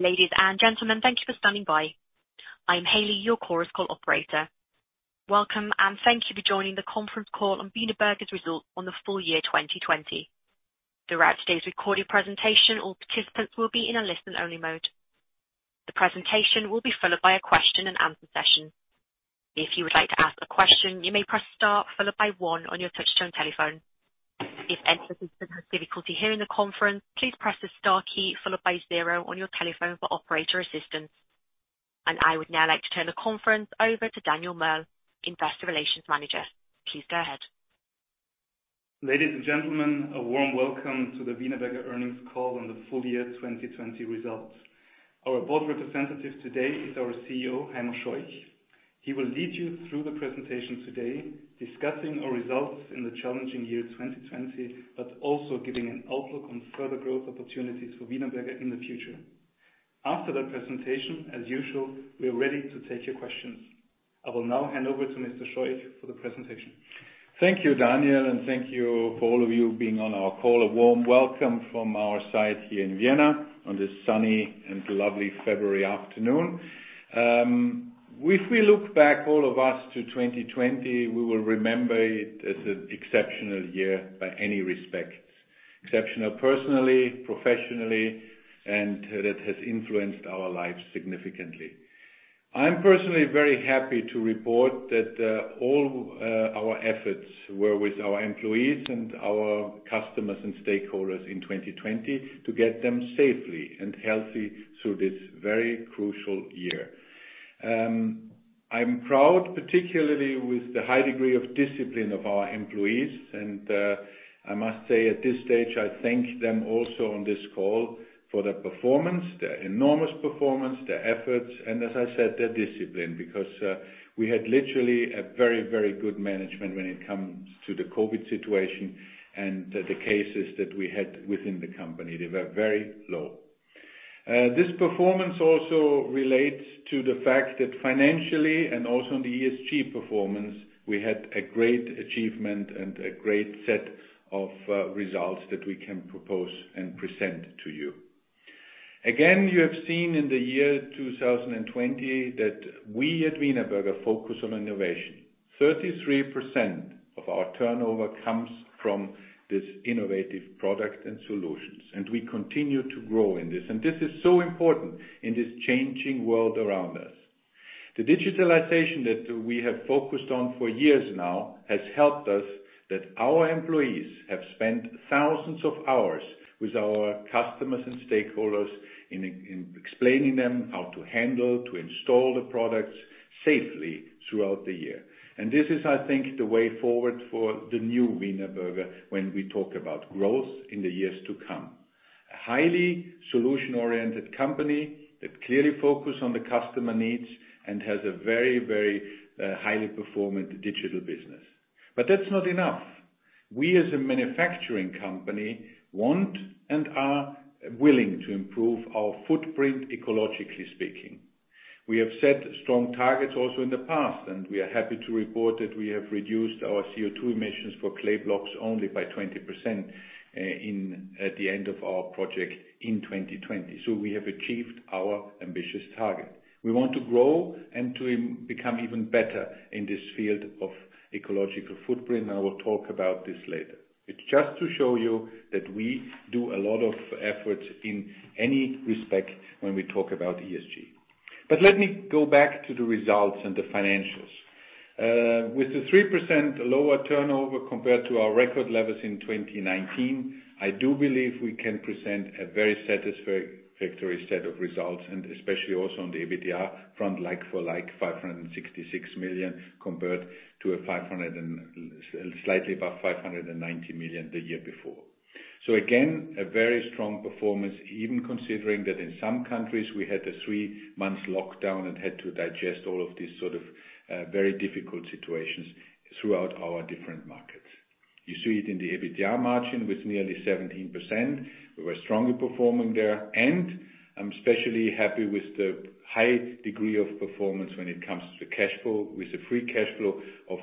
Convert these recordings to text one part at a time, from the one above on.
Ladies and gentlemen, thank you for standing by. I'm Hailey, your Chorus Call operator. Welcome, and thank you for joining the conference call on Wienerberger's Result on the Full-Year 2020. Throughout today's recorded presentation, all participants will be in a listen-only mode. The presentation will be followed by a question-and-answer session. If you would like to ask a question, you may press star, followed by one on your touchtone telephone. If any participant has difficulty hearing the conference, please press the star key followed by zero on your telephone for operator assistance. I would now like to turn the conference over to Daniel Merl, Investor Relations Manager. Please go ahead. Ladies and gentlemen, a warm welcome to the Wienerberger Earnings Call on the Full-Year 2020 Results. Our board representative today is our CEO, Heimo Scheuch. He will lead you through the presentation today, discussing our results in the challenging year 2020, but also giving an outlook on further growth opportunities for Wienerberger in the future. After that presentation, as usual, we are ready to take your questions. I will now hand over to Mr. Scheuch for the presentation. Thank you, Daniel, and thank you for all of you being on our call. A warm welcome from our site here in Vienna on this sunny and lovely February afternoon. If we look back, all of us, to 2020, we will remember it as an exceptional year by any respect. Exceptional personally, professionally, that has influenced our lives significantly. I'm personally very happy to report that all our efforts were with our employees and our customers and stakeholders in 2020 to get them safely and healthy through this very crucial year. I'm proud, particularly with the high degree of discipline of our employees, and I must say at this stage, I thank them also on this call for their performance, their enormous performance, their efforts, and as I said, their discipline, because we had literally a very good management when it comes to the COVID situation and the cases that we had within the company. They were very low. This performance also relates to the fact that financially and also in the ESG performance, we had a great achievement and a great set of results that we can propose and present to you. Again, you have seen in the year 2020 that we at Wienerberger focus on innovation. 33% of our turnover comes from this innovative product and solutions, and we continue to grow in this. This is so important in this changing world around us. The digitalization that we have focused on for years now has helped us that our employees have spent thousands of hours with our customers and stakeholders in explaining them how to handle, to install the products safely throughout the year. This is, I think, the way forward for the new Wienerberger when we talk about growth in the years to come. A highly solution oriented company that clearly focus on the customer needs and has a very highly performant digital business. That's not enough. We, as a manufacturing company, want and are willing to improve our footprint ecologically speaking. We have set strong targets also in the past, and we are happy to report that we have reduced our CO2 emissions for clay blocks only by 20% at the end of our project in 2020. We have achieved our ambitious target. We want to grow and to become even better in this field of ecological footprint, and I will talk about this later. It's just to show you that we do a lot of efforts in any respect when we talk about ESG. Let me go back to the results and the financials. With the 3% lower turnover compared to our record levels in 2019, I do believe we can present a very satisfactory set of results, and especially also on the EBITDA front, like for like 566 million compared to slightly above 590 million the year before. Again, a very strong performance, even considering that in some countries, we had a three-month lockdown and had to digest all of these sort of very difficult situations throughout our different markets. You see it in the EBITDA margin with nearly 17%. We were strongly performing there, and I'm especially happy with the high degree of performance when it comes to cash flow. With a free cash flow of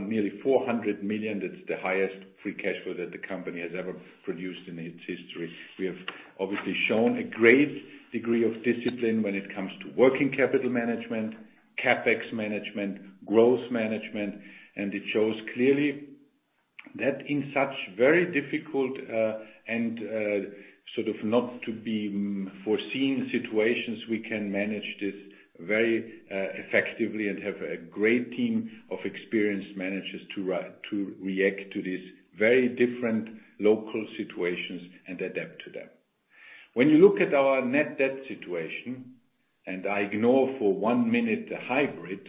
nearly 400 million, that's the highest free cash flow that the company has ever produced in its history. We have obviously shown a great degree of discipline when it comes to working capital management, CapEx management, growth management, and it shows clearly that in such very difficult and sort of not to be foreseen situations, we can manage this very effectively and have a great team of experienced managers to react to these very different local situations and adapt to them. When you look at our net debt situation, and I ignore for one minute the hybrid,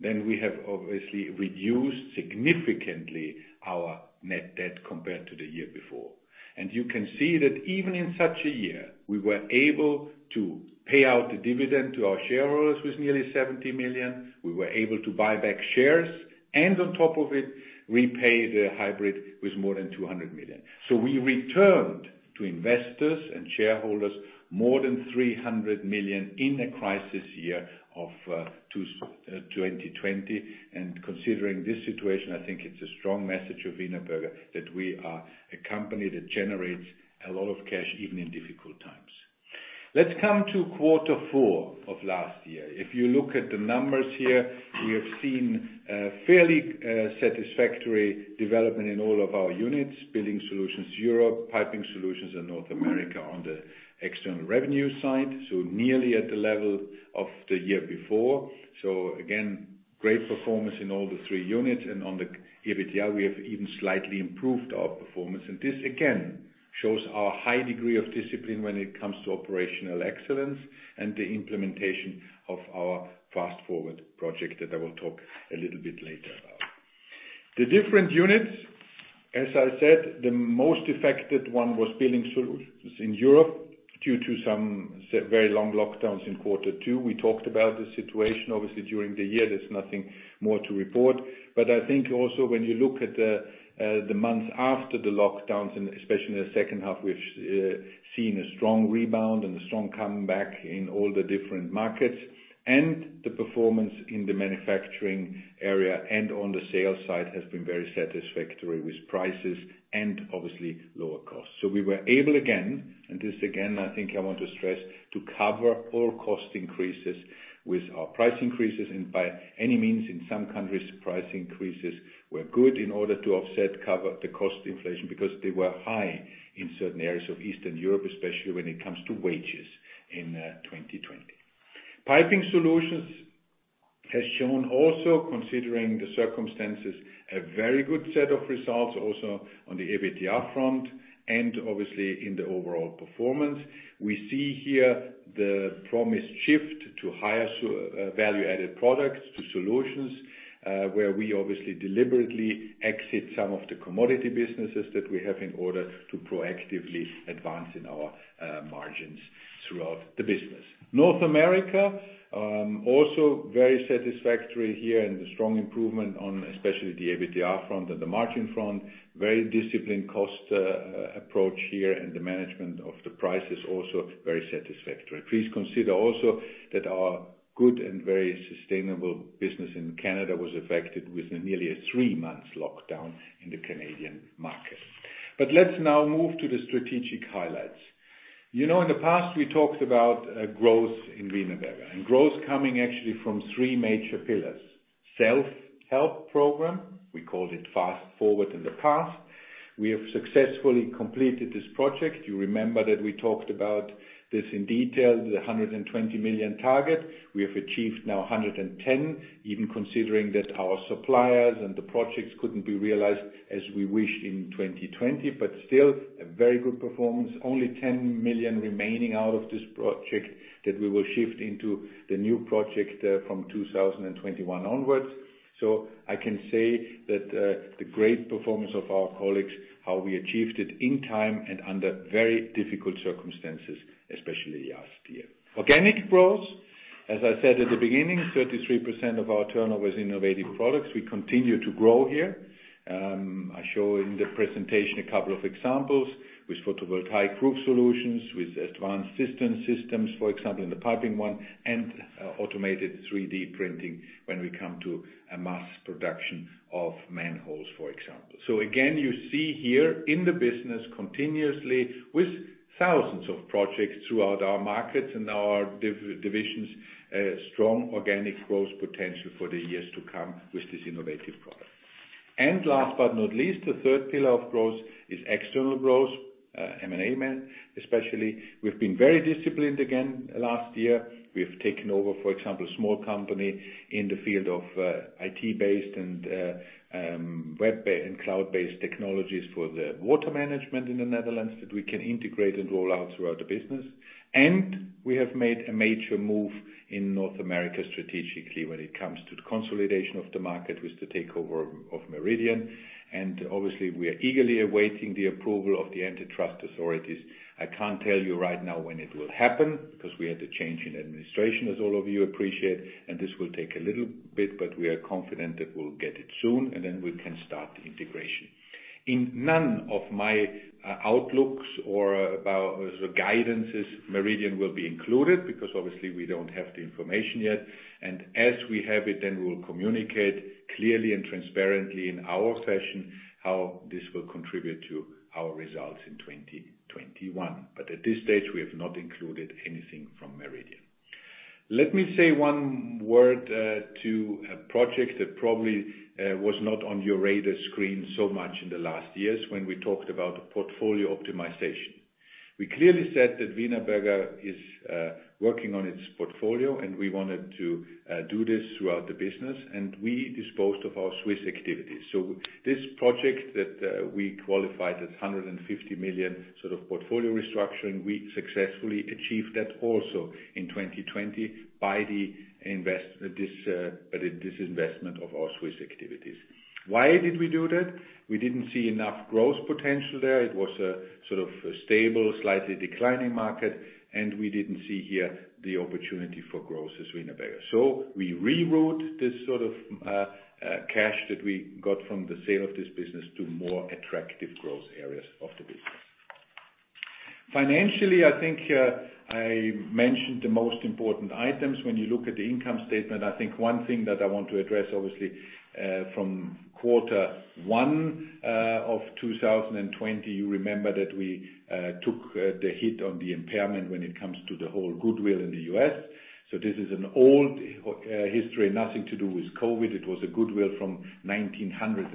then we have obviously reduced significantly our net debt compared to the year before. You can see that even in such a year, we were able to pay out the dividend to our shareholders with nearly 70 million. We were able to buy back shares, and on top of it, repay the hybrid with more than 200 million. We returned to investors and shareholders more than 300 million in a crisis year of 2020, and considering this situation, I think it's a strong message of Wienerberger that we are a company that generates a lot of cash even in difficult times. Let's come to quarter four of last year. If you look at the numbers here, we have seen a fairly satisfactory development in all of our units, Building Solutions Europe, Piping Solutions in North America on the external revenue side. Nearly at the level of the year before. Again, great performance in all the three units. On the EBITDA, we have even slightly improved our performance. This, again, shows our high degree of discipline when it comes to operational excellence and the implementation of our Fast Forward project that I will talk a little bit later about. The different units, as I said, the most affected one was Building Solutions in Europe due to some very long lockdowns in quarter two. We talked about the situation, obviously, during the year. There's nothing more to report. I think also when you look at the months after the lockdowns, and especially in the second half, we've seen a strong rebound and a strong comeback in all the different markets. The performance in the manufacturing area and on the sales side has been very satisfactory with prices and obviously lower costs. We were able again, and this again, I want to stress, to cover all cost increases with our price increases and by any means in some countries, price increases were good in order to offset cover the cost inflation because they were high in certain areas of Eastern Europe, especially when it comes to wages in 2020. Piping Solutions has shown also, considering the circumstances, a very good set of results also on the EBITDA front and obviously in the overall performance. We see here the promised shift to higher value-added products, to solutions, where we obviously deliberately exit some of the commodity businesses that we have in order to proactively advance in our margins throughout the business. North America, also very satisfactory here and a strong improvement on especially the EBITDA front and the margin front. Very disciplined cost approach here. The management of the price is also very satisfactory. Please consider also that our good and very sustainable business in Canada was affected with a nearly three months lockdown in the Canadian market. Let's now move to the strategic highlights. In the past, we talked about growth in Wienerberger, and growth coming actually from three major pillars. Self-help program, we called it Fast Forward in the past. We have successfully completed this project. You remember that we talked about this in detail, the 120 million target. We have achieved now 110 million, even considering that our suppliers and the projects couldn't be realized as we wished in 2020. Still, a very good performance. Only 10 million remaining out of this project that we will shift into the new project from 2021 onwards. I can say that the great performance of our colleagues, how we achieved it in time and under very difficult circumstances, especially last year. Organic growth, as I said at the beginning, 33% of our turnover is innovative products. We continue to grow here. I show in the presentation a couple of examples with photovoltaic roof solutions, with advanced systems, for example, in the piping one, and automated 3D printing when we come to a mass production of manholes, for example. Again, you see here in the business continuously with thousands of projects throughout our markets and our divisions, a strong organic growth potential for the years to come with this innovative product. Last but not least, the third pillar of growth is external growth, M&A mix especially. We've been very disciplined again last year. We have taken over, for example, a small company in the field of IT-based and cloud-based technologies for the water management in the Netherlands that we can integrate and roll out throughout the business. We have made a major move in North America strategically when it comes to the consolidation of the market with the takeover of Meridian. Obviously, we are eagerly awaiting the approval of the antitrust authorities. I can't tell you right now when it will happen because we had a change in administration, as all of you appreciate, and this will take a little bit. We are confident that we'll get it soon. Then we can start the integration. In none of my outlooks or guidances, Meridian will be included because obviously we don't have the information yet. As we have it, we will communicate clearly and transparently in our fashion how this will contribute to our results in 2021. At this stage, we have not included anything from Meridian. Let me say one word to a project that probably was not on your radar screen so much in the last years when we talked about portfolio optimization. We clearly said that Wienerberger is working on its portfolio, and we wanted to do this throughout the business, and we disposed of our Swiss activities. This project that we qualified as 150 million sort of portfolio restructuring, we successfully achieved that also in 2020 by the disinvestment of our Swiss activities. Why did we do that? We didn't see enough growth potential there. It was a sort of stable, slightly declining market, and we didn't see here the opportunity for growth as Wienerberger. We reroute this sort of cash that we got from the sale of this business to more attractive growth areas of the business. Financially, I think I mentioned the most important items. When you look at the income statement, I think one thing that I want to address, obviously, from quarter one of 2020, you remember that we took the hit on the impairment when it comes to the whole goodwill in the U.S. This is an old history, nothing to do with COVID. It was a goodwill from 1996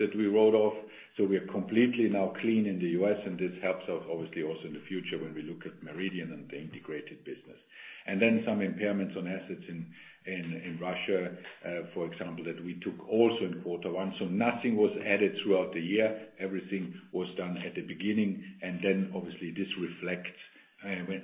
that we wrote off. We are completely now clean in the U.S., and this helps us obviously also in the future when we look at Meridian and the integrated business. Some impairments on assets in Russia, for example, that we took also in quarter one. Nothing was added throughout the year. Everything was done at the beginning. Then obviously this reflects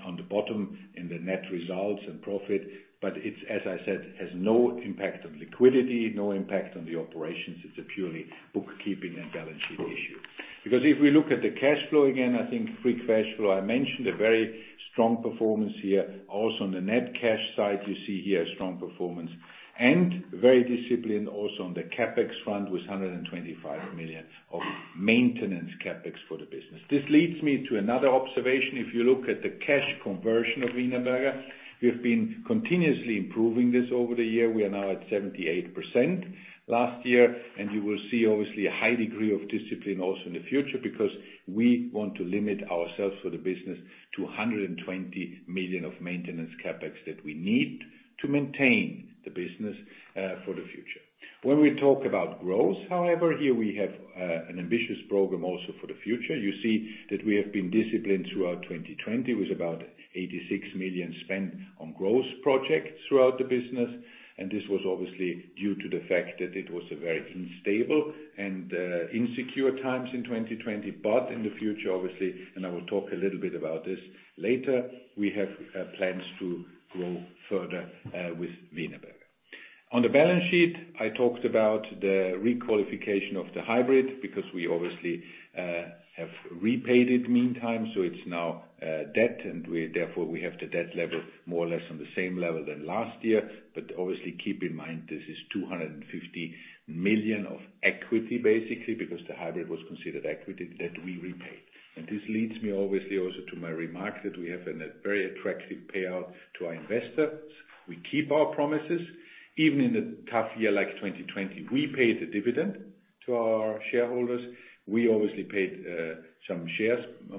on the bottom in the net results and profit. As I said, has no impact on liquidity, no impact on the operations. It's a purely bookkeeping and balance sheet issue. If we look at the cash flow again, I think free cash flow, I mentioned a very strong performance here. Also on the net cash side, you see here a strong performance and very disciplined also on the CapEx front with 125 million of maintenance CapEx for the business. This leads me to another observation. If you look at the cash conversion of Wienerberger, we've been continuously improving this over the year. We are now at 78% last year, and you will see obviously a high degree of discipline also in the future because we want to limit ourselves for the business to 120 million of maintenance CapEx that we need to maintain the business for the future. When we talk about growth, however, here we have an ambitious program also for the future. You see that we have been disciplined throughout 2020 with about 86 million spent on growth projects throughout the business, and this was obviously due to the fact that it was a very unstable and insecure times in 2020. In the future, obviously, and I will talk a little bit about this later, we have plans to grow further with Wienerberger. On the balance sheet, I talked about the re-qualification of the hybrid because we obviously have repaid it meantime, so it's now debt. Therefore, we have the debt level more or less on the same level than last year. Obviously, keep in mind, this is 250 million of equity, basically, because the hybrid was considered equity that we repaid. This leads me obviously also to my remark that we have a very attractive payout to our investors. We keep our promises. Even in a tough year like 2020, we paid a dividend to our shareholders. We obviously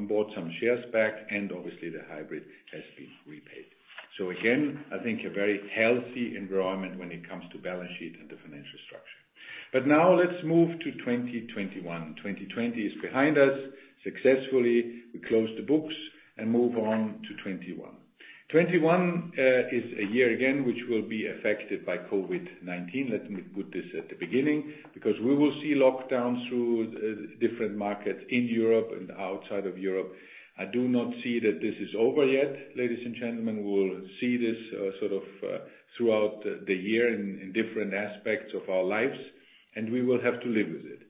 bought some shares back. Obviously, the hybrid has been repaid. Again, I think a very healthy environment when it comes to balance sheet and the financial structure. Now, let's move to 2021. 2020 is behind us successfully. We close the books and move on to 2021. 2021 is a year again, which will be affected by COVID-19. Let me put this at the beginning. We will see lockdowns through different markets in Europe and outside of Europe. I do not see that this is over yet, ladies and gentlemen. We will see this sort of throughout the year in different aspects of our lives, and we will have to live with it.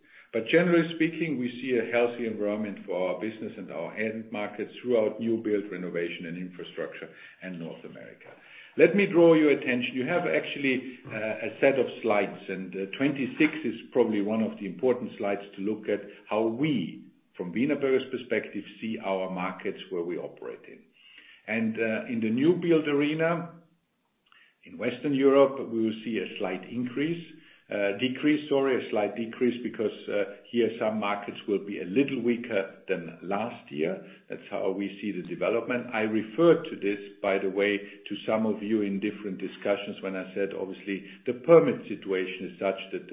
Generally speaking, we see a healthy environment for our business and our end markets throughout new build, renovation, and infrastructure in North America. Let me draw your attention. You have actually a set of slides. 26 is probably one of the important slides to look at how we, from Wienerberger's perspective, see our markets where we operate in. In the new build arena in Western Europe, we will see a slight decrease, sorry, a slight decrease because here some markets will be a little weaker than last year. That's how we see the development. I referred to this, by the way, to some of you in different discussions when I said obviously the permit situation is such that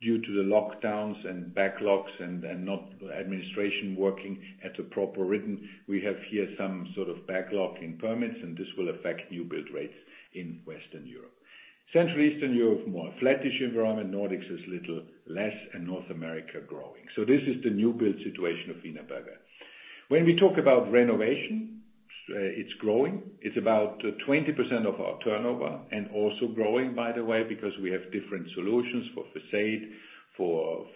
due to the lockdowns and backlogs and not administration working at a proper rhythm, we have here some sort of backlog in permits, and this will affect new build rates in Western Europe. Central Eastern Europe, more flattish environment. Nordics is little less, and North America growing. This is the new build situation of Wienerberger. When we talk about renovation, it's growing. It's about 20% of our turnover and also growing, by the way, because we have different solutions for facade, for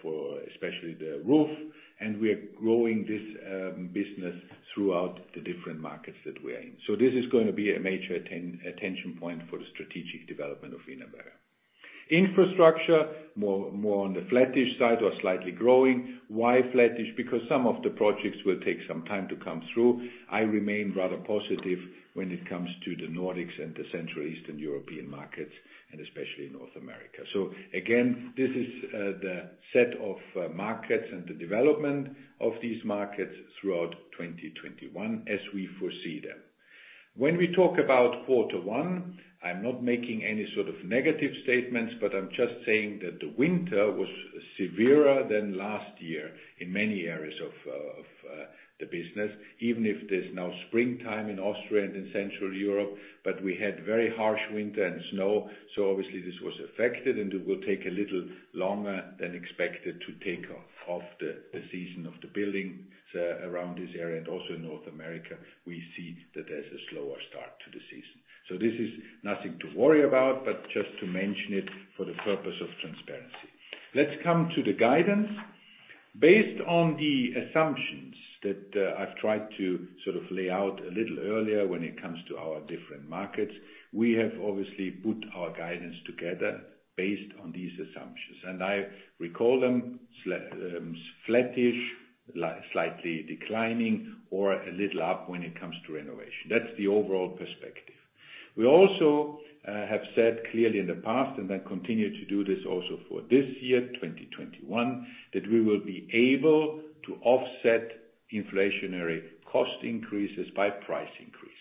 especially the roof, and we are growing this business throughout the different markets that we are in. This is going to be a major attention point for the strategic development of Wienerberger. Infrastructure, more on the flattish side or slightly growing. Why flattish? Because some of the projects will take some time to come through. I remain rather positive when it comes to the Nordics and the Central Eastern European markets, and especially North America. Again, this is the set of markets and the development of these markets throughout 2021 as we foresee them. When we talk about quarter one, I'm not making any sort of negative statements, but I'm just saying that the winter was severer than last year in many areas of the business, even if there's now springtime in Austria and in Central Europe. We had very harsh winter and snow, so obviously this was affected, and it will take a little longer than expected to take off the season of the building around this area. Also in North America, we see that there's a slower start to the season. This is nothing to worry about, but just to mention it for the purpose of transparency. Let's come to the guidance. Based on the assumptions that I've tried to sort of lay out a little earlier when it comes to our different markets, we have obviously put our guidance together based on these assumptions. I recall them flattish, slightly declining, or a little up when it comes to renovation. That's the overall perspective. We also have said clearly in the past, and I continue to do this also for this year, 2021, that we will be able to offset inflationary cost increases by price increases.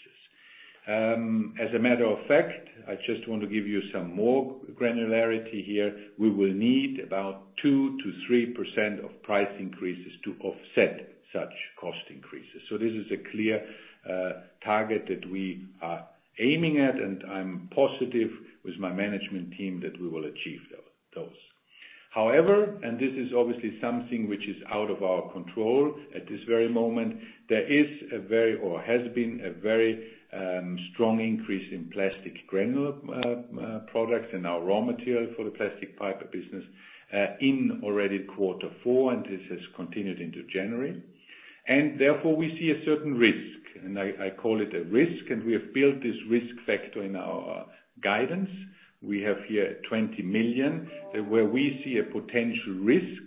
As a matter of fact, I just want to give you some more granularity here. We will need about 2%-3% of price increases to offset such cost increases. This is a clear target that we are aiming at, and I'm positive with my management team that we will achieve those. However, this is obviously something which is out of our control at this very moment, there is a very, or has been a very strong increase in plastic granulate products and now raw material for the plastic pipe business in already quarter four, and this has continued into January. Therefore, we see a certain risk, and I call it a risk, and we have built this risk factor in our guidance. We have here 20 million, where we see a potential risk,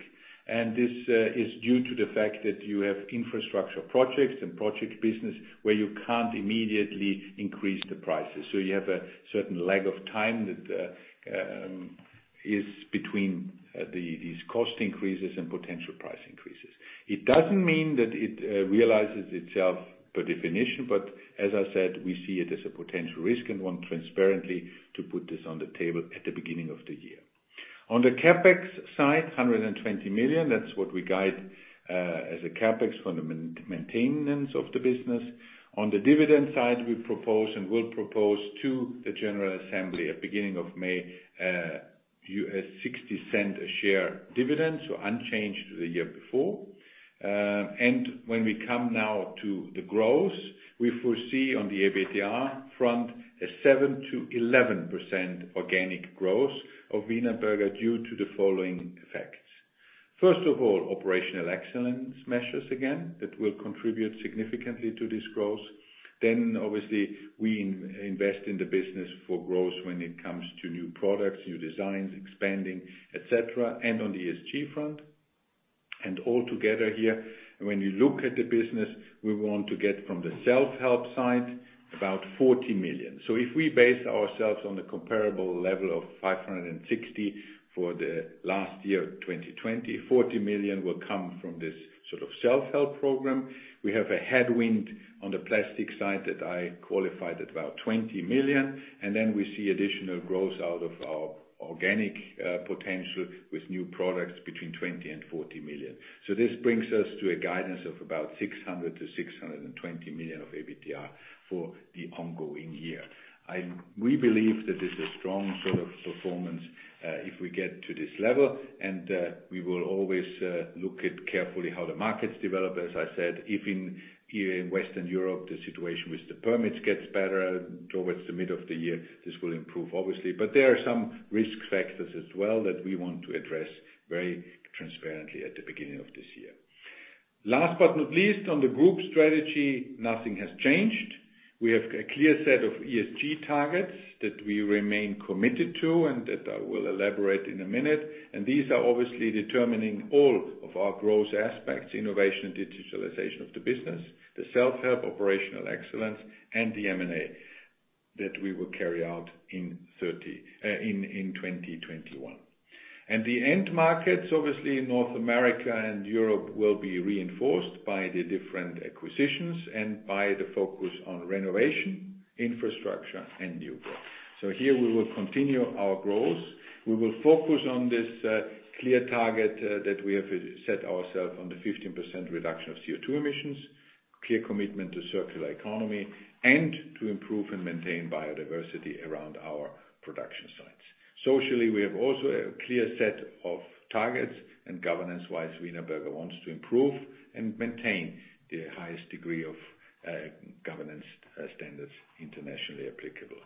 and this is due to the fact that you have infrastructure projects and project business where you can't immediately increase the prices. You have a certain lag of time that is between these cost increases and potential price increases. It doesn't mean that it realizes itself per definition, but as I said, we see it as a potential risk and want transparently to put this on the table at the beginning of the year. On the CapEx side, 120 million. That's what we guide as a CapEx for the maintenance of the business. On the dividend side, we propose and will propose to the general assembly at beginning of May, $0.60 a share dividend, so unchanged the year before. When we come now to the growth, we foresee on the EBITDA front, a 7%-11% organic growth of Wienerberger due to the following effects. First of all, operational excellence measures again that will contribute significantly to this growth. Obviously, we invest in the business for growth when it comes to new products, new designs, expanding, et cetera, and on the ESG front. All together here, when you look at the business, we want to get from the self-help side about 40 million. If we base ourselves on the comparable level of 560 million for the last year, 2020, 40 million will come from this sort of self-help program. We have a headwind on the plastic side that I qualified at about 20 million, then we see additional growth out of our organic potential with new products between 20 million and 40 million. This brings us to a guidance of about 600 million-620 million of EBITDA for the ongoing year. We believe that this is strong sort of performance, if we get to this level, we will always look at carefully how the markets develop. As I said, if in Western Europe, the situation with the permits gets better towards the middle of the year, this will improve obviously. There are some risk factors as well that we want to address very transparently at the beginning of this year. Last but not least, on the group strategy, nothing has changed. We have a clear set of ESG targets that we remain committed to and that I will elaborate in a minute. These are obviously determining all of our growth aspects, innovation, digitalization of the business, the self-help operational excellence, and the M&A that we will carry out in 2021. The end markets, obviously North America and Europe, will be reinforced by the different acquisitions and by the focus on renovation, infrastructure, and new growth. Here we will continue our growth. We will focus on this clear target that we have set ourselves on the 15% reduction of CO2 emissions, clear commitment to circular economy, and to improve and maintain biodiversity around our production sites. Socially, we have also a clear set of targets, and governance-wise, Wienerberger wants to improve and maintain the highest degree of governance standards internationally applicable.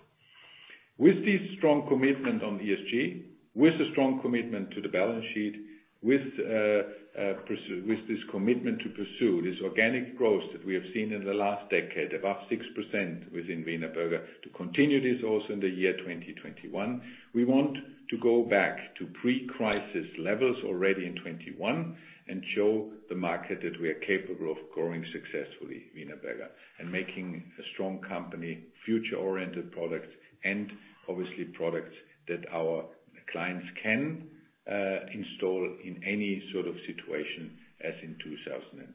With this strong commitment on ESG, with a strong commitment to the balance sheet, with this commitment to pursue this organic growth that we have seen in the last decade, about 6% within Wienerberger, to continue this also in the year 2021. We want to go back to pre-crisis levels already in 2021 and show the market that we are capable of growing successfully, Wienerberger, and making a strong company, future-oriented products, and obviously products that our clients can install in any sort of situation as in 2020.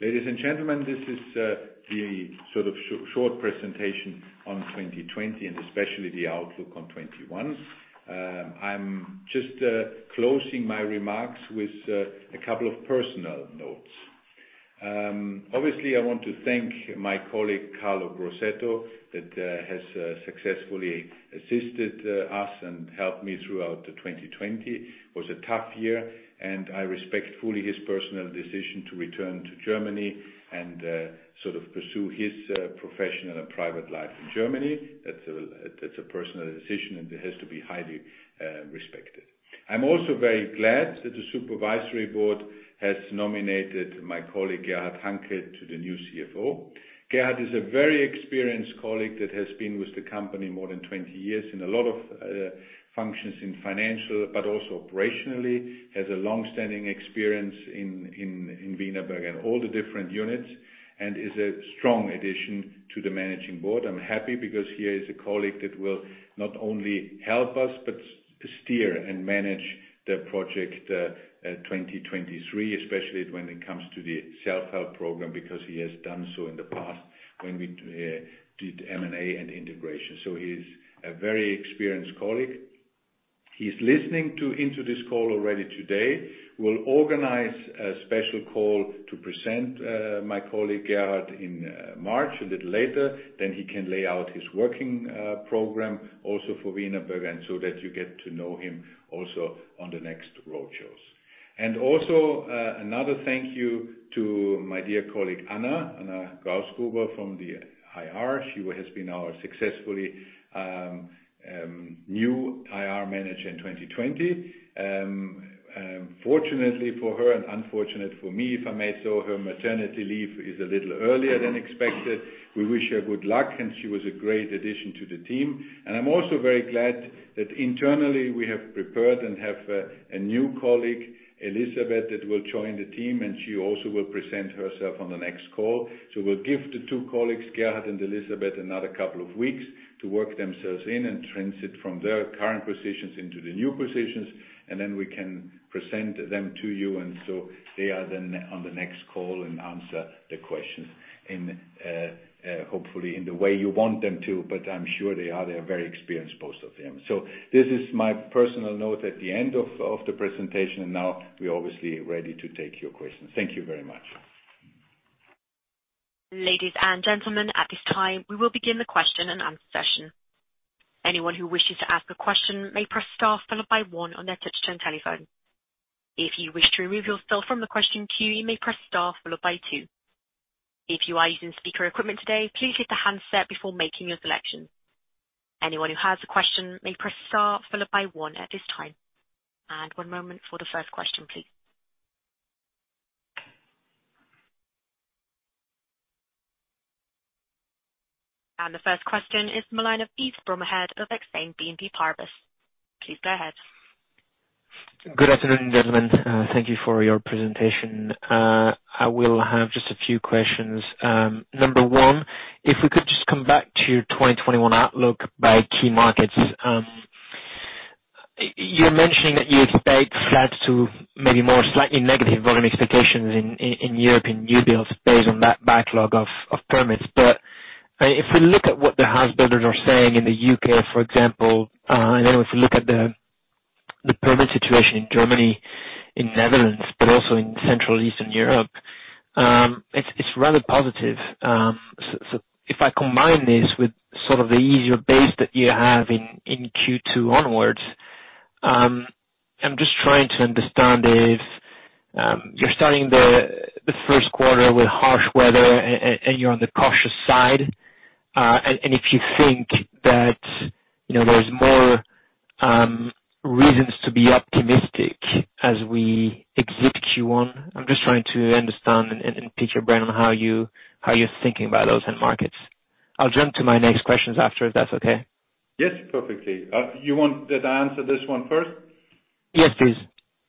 Ladies and gentlemen, this is the sort of short presentation on 2020, and especially the outlook on 2021. I'm just closing my remarks with a couple of personal notes. Obviously, I want to thank my colleague, Carlo Crosetto, that has successfully assisted us and helped me throughout the 2020. It was a tough year, and I respect fully his personal decision to return to Germany and sort of pursue his professional and private life in Germany. That's a personal decision, and it has to be highly respected. I'm also very glad that the supervisory board has nominated my colleague, Gerhard Hanke, to the new CFO. Gerhard is a very experienced colleague that has been with the company more than 20 years in a lot of functions in financial, but also operationally, has a longstanding experience in Wienerberger and all the different units, and is a strong addition to the managing board. I'm happy because here is a colleague that will not only help us, but steer and manage the project 2023, especially when it comes to the self-help program, because he has done so in the past when we did M&A and integration. He is a very experienced colleague. He's listening into this call already today. We'll organize a special call to present my colleague, Gerhard, in March, a little later, then he can lay out his working program also for Wienerberger, and so that you get to know him also on the next road shows. Also, another thank you to my dear colleague, Anna Grausgruber, from the IR. She has been our successfully new IR manager in 2020. Fortunately for her, and unfortunately for me, if I may, her maternity leave is a little earlier than expected. We wish her good luck, and she was a great addition to the team. I'm also very glad that internally we have prepared and have a new colleague, Elisabeth, that will join the team, and she also will present herself on the next call. We'll give the two colleagues, Gerhard and Elisabeth, another couple of weeks to work themselves in and transit from their current positions into the new positions, and then we can present them to you. They are then on the next call and answer the questions, hopefully in the way you want them to. I'm sure they are very experienced, both of them. This is my personal note at the end of the presentation. Now, we are obviously ready to take your questions. Thank you very much. One moment for the first question, please. The first question is Yves Bromehead from the head of Exane BNP Paribas. Please go ahead. Good afternoon, gentlemen. Thank you for your presentation. I will have just a few questions. Number one, if we could just come back to 2021 outlook by key markets. You're mentioning that you expect flat to maybe more slightly negative volume expectations in Europe, in new builds based on that backlog of permits. If we look at what the house builders are saying in the U.K., for example, and then if you look at the permit situation in Germany, in Netherlands, but also in Central Eastern Europe, it's rather positive. If I combine this with sort of the easier base that you have in Q2 onwards, I'm just trying to understand if you're starting the first quarter with harsh weather and you're on the cautious side, and if you think that there's more reasons to be optimistic as we exit Q1. I'm just trying to understand and pick your brain on how you're thinking about those end markets. I'll jump to my next questions after, if that's okay. Yes, perfectly. You want that I answer this one first? Yes, please.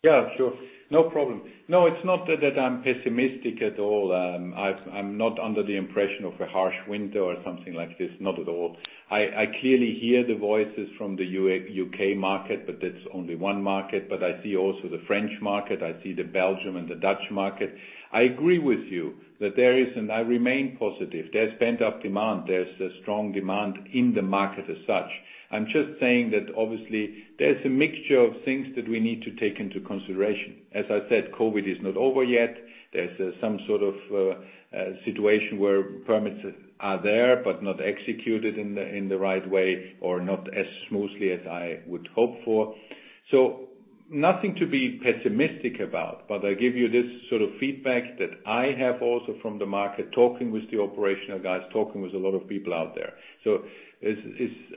Yeah, sure. No problem. It's not that I'm pessimistic at all. I'm not under the impression of a harsh winter or something like this. Not at all. I clearly hear the voices from the U.K. market, but that's only one market. I see also the French market, I see the Belgium and the Dutch market. I agree with you that there is, and I remain positive. There's pent-up demand, there's a strong demand in the market as such. I'm just saying that obviously there's a mixture of things that we need to take into consideration. As I said, COVID is not over yet. There's some sort of situation where permits are there, but not executed in the right way or not as smoothly as I would hope for. Nothing to be pessimistic about, but I give you this sort of feedback that I have also from the market, talking with the operational guys, talking with a lot of people out there.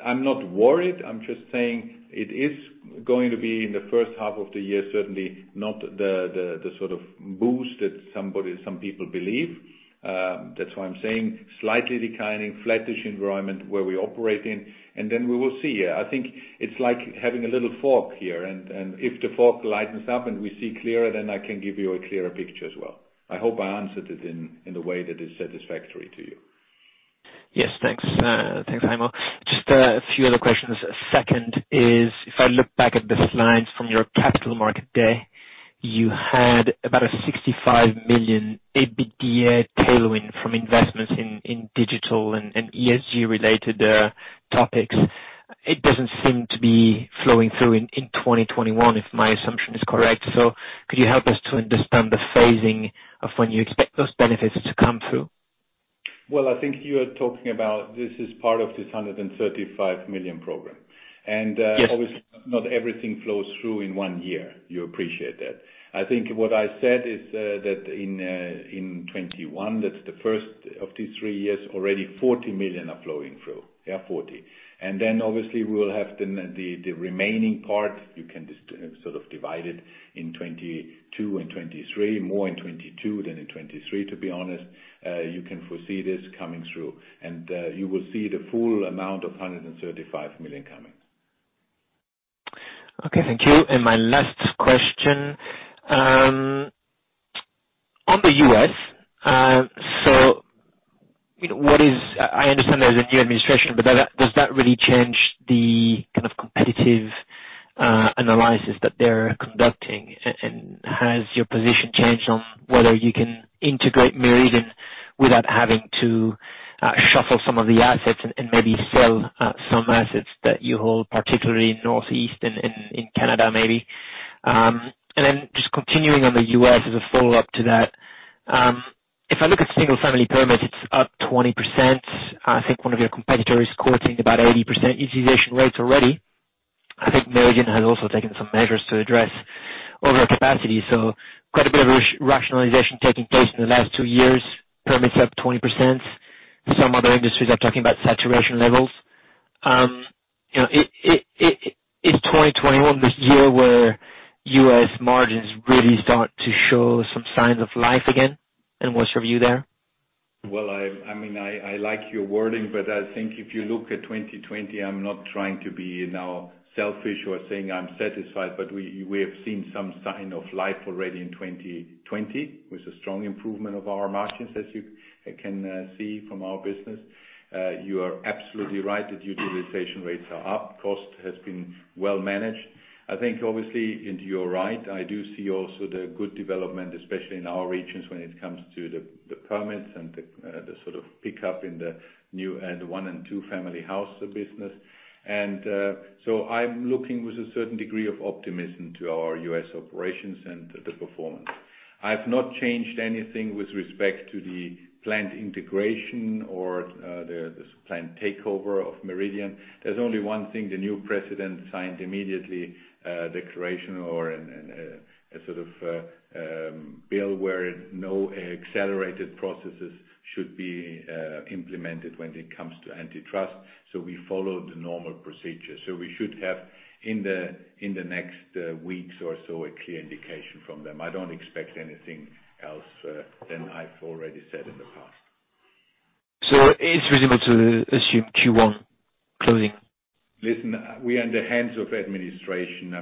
I'm not worried. I'm just saying it is going to be in the first half of the year, certainly not the sort of boost that some people believe. That's why I'm saying slightly declining, flattish environment where we operate in. We will see. I think it's like having a little fog here, and if the fog lightens up and we see clearer, then I can give you a clearer picture as well. I hope I answered it in a way that is satisfactory to you. Yes, thanks. Thanks, Heimo. Just a few other questions. Second is, if I look back at the slides from your capital market day, you had about a 65 million EBITDA tailwind from investments in digital and ESG related topics. It doesn't seem to be flowing through in 2021, if my assumption is correct. Could you help us to understand the phasing of when you expect those benefits to come through? Well, I think you are talking about this is part of this 135 million program. Yes. Obviously not everything flows through in one year, you appreciate that. I think what I said is that in 2021, that's the first of these three years, already 40 million are flowing through. Yeah, obviously we will have the remaining part. You can just sort of divide it in 2022 and 2023, more in 2022 than in 2023, to be honest. You can foresee this coming through, and you will see the full amount of 135 million coming. Okay, thank you. My last question. On the U.S., I understand there's a new administration, but does that really change the kind of competitive analysis that they're conducting? Has your position changed on whether you can integrate Meridian without having to shuffle some of the assets and maybe sell some assets that you hold, particularly in U.S. Northeast and in Canada, maybe? Just continuing on the U.S. as a follow-up to that. If I look at single family permits, it's up 20%. I think one of your competitors quoting about 80% utilization rates already. I think Meridian has also taken some measures to address over capacity. Quite a bit of rationalization taking place in the last two years. Permits up 20%. Some other industries are talking about saturation levels. Is 2021 the year where U.S. margins really start to show some signs of life again? What's your view there? Well, I like your wording, but I think if you look at 2020, I'm not trying to be now selfish or saying I'm satisfied, but we have seen some sign of life already in 2020, with a strong improvement of our margins as you can see from our business. You are absolutely right that utilization rates are up. Cost has been well managed. I think obviously, and you are right, I do see also the good development, especially in our regions when it comes to the permits and the sort of pickup in the new and one and two family house business. I'm looking with a certain degree of optimism to our U.S. operations and the performance. I've not changed anything with respect to the planned integration or the planned takeover of Meridian. There's only one thing the new president signed immediately, a declaration or a sort of bill where no accelerated processes should be implemented when it comes to antitrust. We follow the normal procedure. We should have, in the next weeks or so, a clear indication from them. I don't expect anything else than I've already said in the past. It's reasonable to assume Q1 closing. Listen, we are in the hands of administration.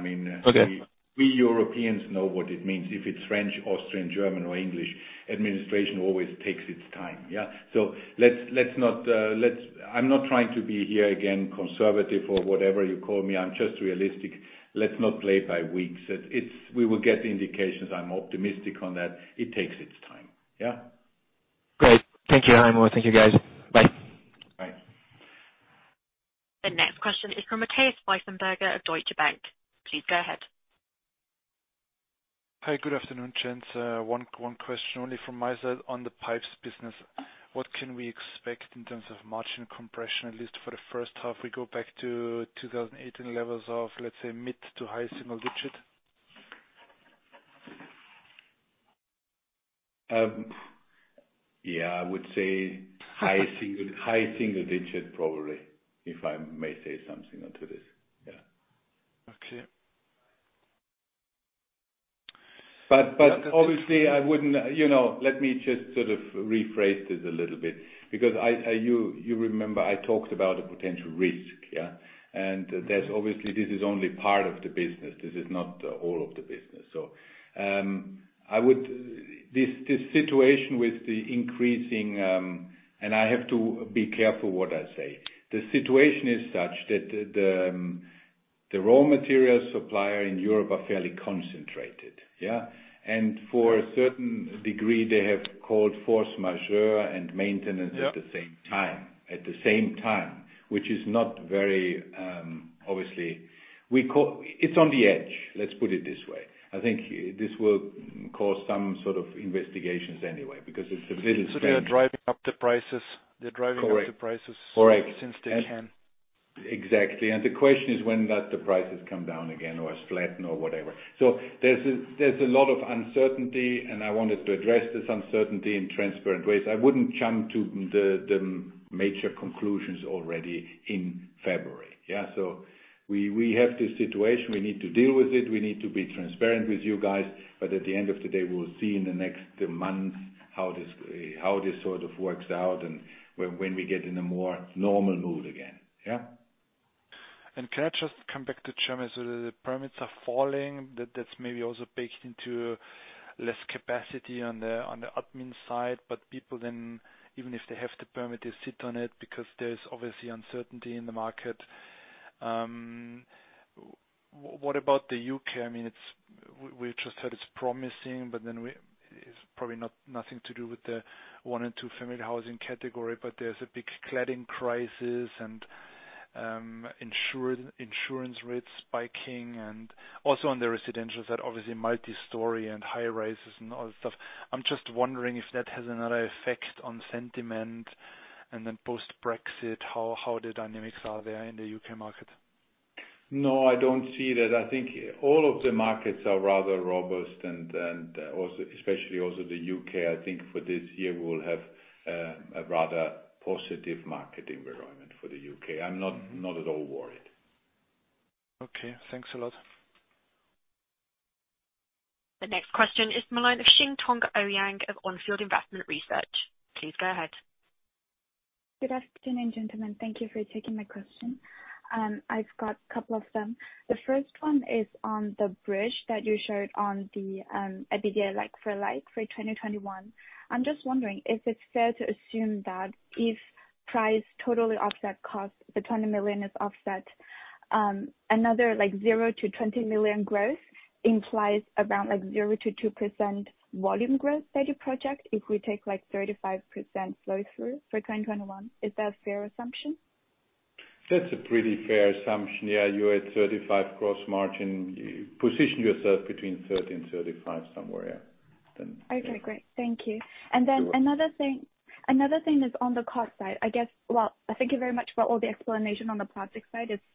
Okay. We Europeans know what it means. If it's French, Austrian, German or English, administration always takes its time, yeah? I'm not trying to be here again, conservative or whatever you call me. I'm just realistic. Let's not play by weeks. We will get the indications. I'm optimistic on that. It takes its time, yeah? Great. Thank you, Heimo. Thank you, guys. Bye. Bye. The next question is from Matthias Pfeifenberger of Deutsche Bank. Please go ahead. Hi. Good afternoon, gents. One question only from my side on the pipes business. What can we expect in terms of margin compression, at least for the first half? We go back to 2018 levels of, let's say, mid to high single digit? Yeah, I would say high single digit probably, if I may say something onto this. Yeah. Okay. Obviously I wouldn't. Let me just sort of rephrase this a little bit, because you remember I talked about a potential risk, yeah? Obviously this is only part of the business. This is not all of the business. I have to be careful what I say. The situation is such that the raw material supplier in Europe are fairly concentrated, yeah? For a certain degree, they have called force majeure and maintenance at the same time. Which is not very. It's on the edge, let's put it this way. I think this will cause some sort of investigations anyway, because it's a bit strange. They are driving up the prices. Correct. Since they can. Exactly. The question is when that the prices come down again or flatten or whatever. There's a lot of uncertainty, and I wanted to address this uncertainty in transparent ways. I wouldn't jump to the major conclusions already in February. Yeah. We have this situation. We need to deal with it. We need to be transparent with you guys. At the end of the day, we'll see in the next months how this sort of works out and when we get in a more normal mood again, yeah. Can I just come back to Germany. The permits are falling. That's maybe also baked into less capacity on the admin side. People then, even if they have the permit, they sit on it because there's obviously uncertainty in the market. What about the U.K.? We just heard it's promising. It's probably nothing to do with the one and two family housing category. There's a big cladding crisis and insurance rates spiking and also on the residential side, obviously multi-story and high-rises and all this stuff. I'm just wondering if that has another effect on sentiment post-Brexit, how the dynamics are there in the U.K. market? No, I don't see that. I think all of the markets are rather robust and especially also the U.K., I think for this year we will have a rather positive market environment for the U.K. I'm not at all worried. Okay. Thanks a lot. The next question is Yassine Touahri of Onfield Investment Research. Please go ahead. Good afternoon, gentlemen. Thank you for taking my question. I've got a couple of them. The first one is on the bridge that you showed on the EBITDA like for like for 2021. I'm just wondering, is it fair to assume that if price totally offset cost, the 20 million is offset, another zero to 20 million growth implies around 0%-2% volume growth that you project if we take 35% flow through for 2021. Is that a fair assumption? That's a pretty fair assumption. Yeah, you're at 35% gross margin. You position yourself between 30% and 35% somewhere, yeah. Okay, great. Thank you. Another thing is on the cost side. Thank you very much for all the explanation on the project side, it's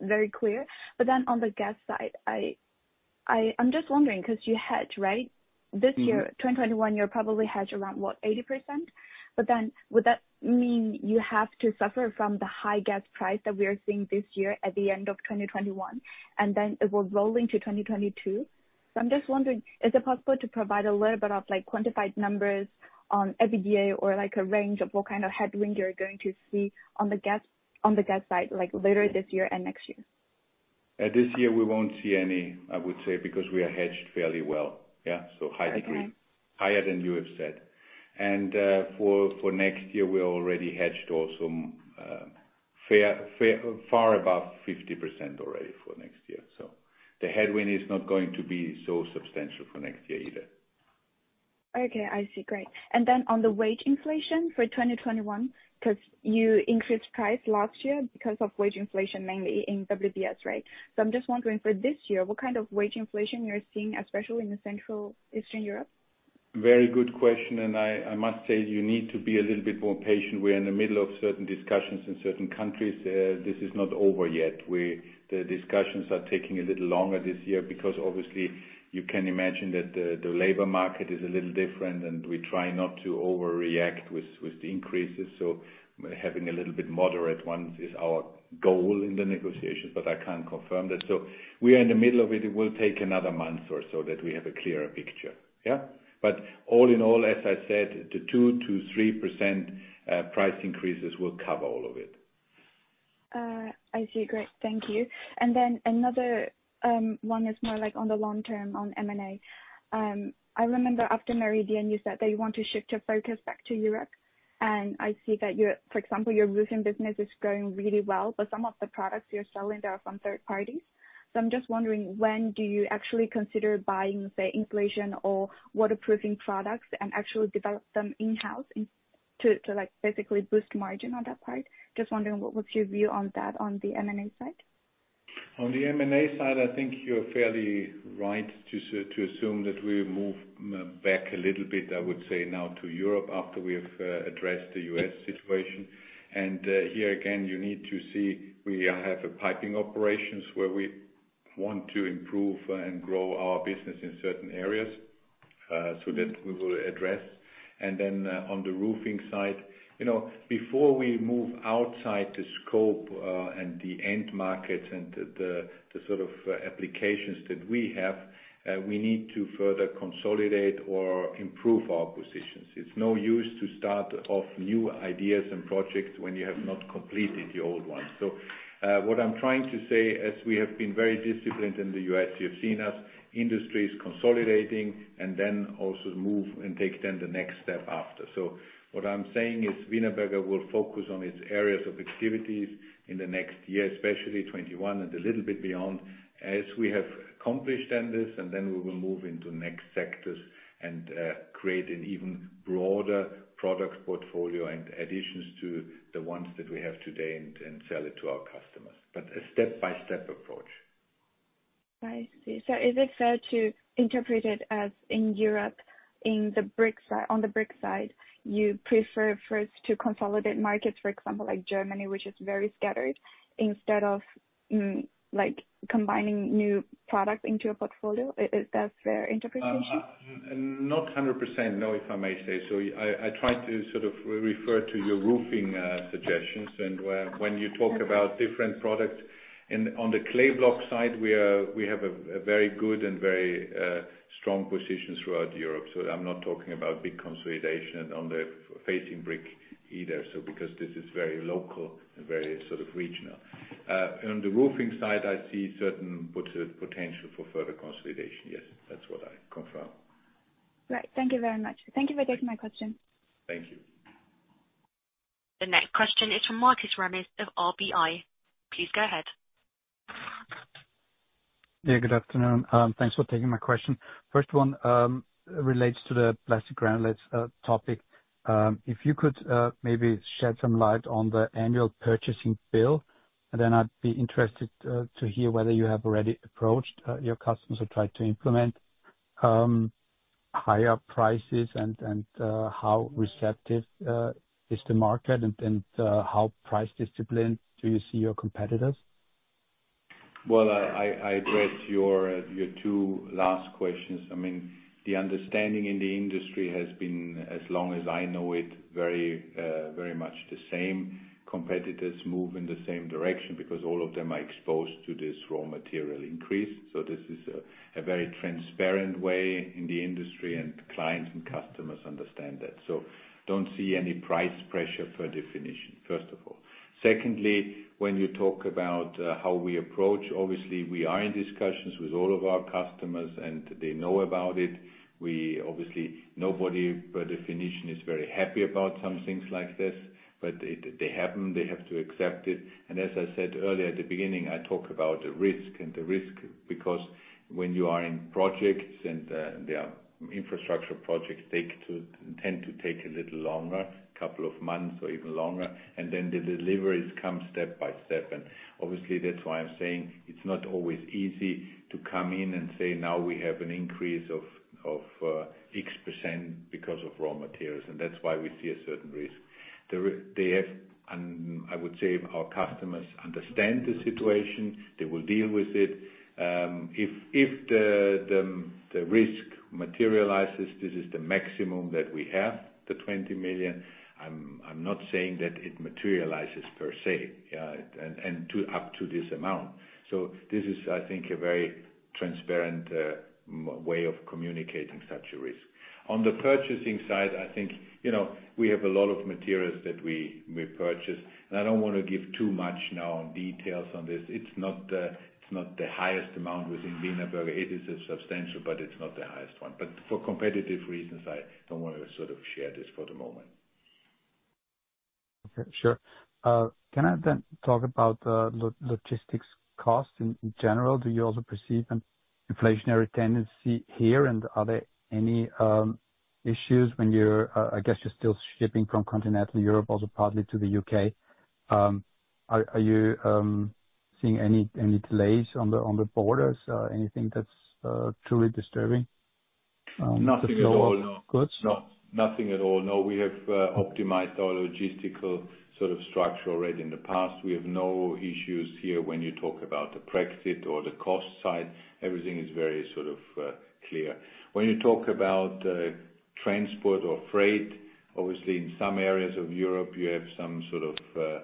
very clear. On the gas side, I'm just wondering because you hedge, right? This year, 2021, you probably hedge around, what, 80%? Would that mean you have to suffer from the high gas price that we are seeing this year at the end of 2021, and then it will roll into 2022? I'm just wondering, is it possible to provide a little bit of quantified numbers on EBITDA or a range of what kind of headwind you're going to see on the gas side later this year and next year? This year we won't see any, I would say, because we are hedged fairly well. Yeah. High degree. Okay. Higher than you have said. For next year, we already hedged also far above 50% already for next year. The headwind is not going to be so substantial for next year either. Okay, I see. Great. On the wage inflation for 2021, because you increased price last year because of wage inflation mainly in WBS, right? I'm just wondering for this year, what kind of wage inflation you're seeing, especially in Central Eastern Europe? Very good question. I must say you need to be a little bit more patient. We are in the middle of certain discussions in certain countries. This is not over yet. The discussions are taking a little longer this year because obviously you can imagine that the labor market is a little different, and we try not to overreact with the increases. Having a little bit moderate one is our goal in the negotiation, but I can't confirm that. We are in the middle of it. It will take another month or so that we have a clearer picture. Yeah. All in all, as I said, the 2%-3% price increases will cover all of it. Another one is more on the long term on M&A. I remember after Meridian you said that you want to shift your focus back to Europe, and I see that, for example, your roofing business is growing really well, but some of the products you're selling there are from third parties. I'm just wondering, when do you actually consider buying, say, insulation or waterproofing products and actually develop them in-house to basically boost margin on that part? Just wondering what's your view on that on the M&A side? On the M&A side, I think you're fairly right to assume that we move back a little bit, I would say now to Europe after we have addressed the U.S. situation. Here again, you need to see we have a piping operations where we want to improve and grow our business in certain areas, that we will address. On the roofing side, before we move outside the scope and the end markets and the sort of applications that we have, we need to further consolidate or improve our positions. It's no use to start off new ideas and projects when you have not completed the old ones. What I'm trying to say, as we have been very disciplined in the U.S., you have seen us, industry is consolidating, also move and take then the next step after. What I'm saying is Wienerberger will focus on its areas of activities in the next year, especially 2021 and a little bit beyond as we have accomplished then this, and then we will move into next sectors and create an even broader product portfolio and additions to the ones that we have today and sell it to our customers. A step-by-step approach. I see. Is it fair to interpret it as in Europe, on the brick side, you prefer first to consolidate markets, for example, like Germany, which is very scattered, instead of combining new products into your portfolio? That is fair interpretation? Not 100%, no, if I may say so. I try to sort of refer to your roofing suggestions and when you talk about different products. On the clay block side, we have a very good and very strong position throughout Europe. I'm not talking about big consolidation on the facing brick either, because this is very local and very sort of regional. On the roofing side, I see certain potential for further consolidation. Yes, that's what I confirm. Right. Thank you very much. Thank you for taking my question. Thank you. The next question is from Markus Remis of RBI. Please go ahead. Yeah, good afternoon. Thanks for taking my question. First one relates to the plastic granulates topic. If you could maybe shed some light on the annual purchasing bill, and then I'd be interested to hear whether you have already approached your customers or tried to implement Higher prices and how receptive is the market and how price discipline do you see your competitors? I address your two last questions. The understanding in the industry has been, as long as I know it, very much the same. Competitors move in the same direction because all of them are exposed to this raw material increase. This is a very transparent way in the industry, and clients and customers understand that. Don't see any price pressure per definition, first of all. Secondly, when you talk about how we approach, obviously we are in discussions with all of our customers and they know about it. Obviously, nobody per definition is very happy about some things like this, but they happen. They have to accept it. As I said earlier at the beginning, I talk about the risk and the risk because when you are in projects, and there are infrastructure projects, they tend to take a little longer, couple of months or even longer, and then the deliveries come step by step. Obviously that's why I'm saying it's not always easy to come in and say, now we have an increase of X% because of raw materials, and that's why we see a certain risk. They have, I would say our customers understand the situation. They will deal with it. If the risk materializes, this is the maximum that we have, the 20 million. I'm not saying that it materializes per se, up to this amount. This is, I think, a very transparent way of communicating such a risk. On the purchasing side, I think, we have a lot of materials that we purchase, and I don't want to give too much now on details on this. It's not the highest amount within Wienerberger. It is substantial, but it's not the highest one. But for competitive reasons, I don't want to sort of share this for the moment. Okay, sure. Can I talk about logistics costs in general? Do you also perceive an inflationary tendency here? Are there any issues when I guess you're still shipping from continental Europe, also partly to the U.K. Are you seeing any delays on the borders? Anything that's truly disturbing the flow of goods? Nothing at all, no. We have optimized our logistical sort of structure already in the past. We have no issues here when you talk about the Brexit or the cost side. Everything is very sort of clear. When you talk about transport or freight, obviously in some areas of Europe, you have some sort of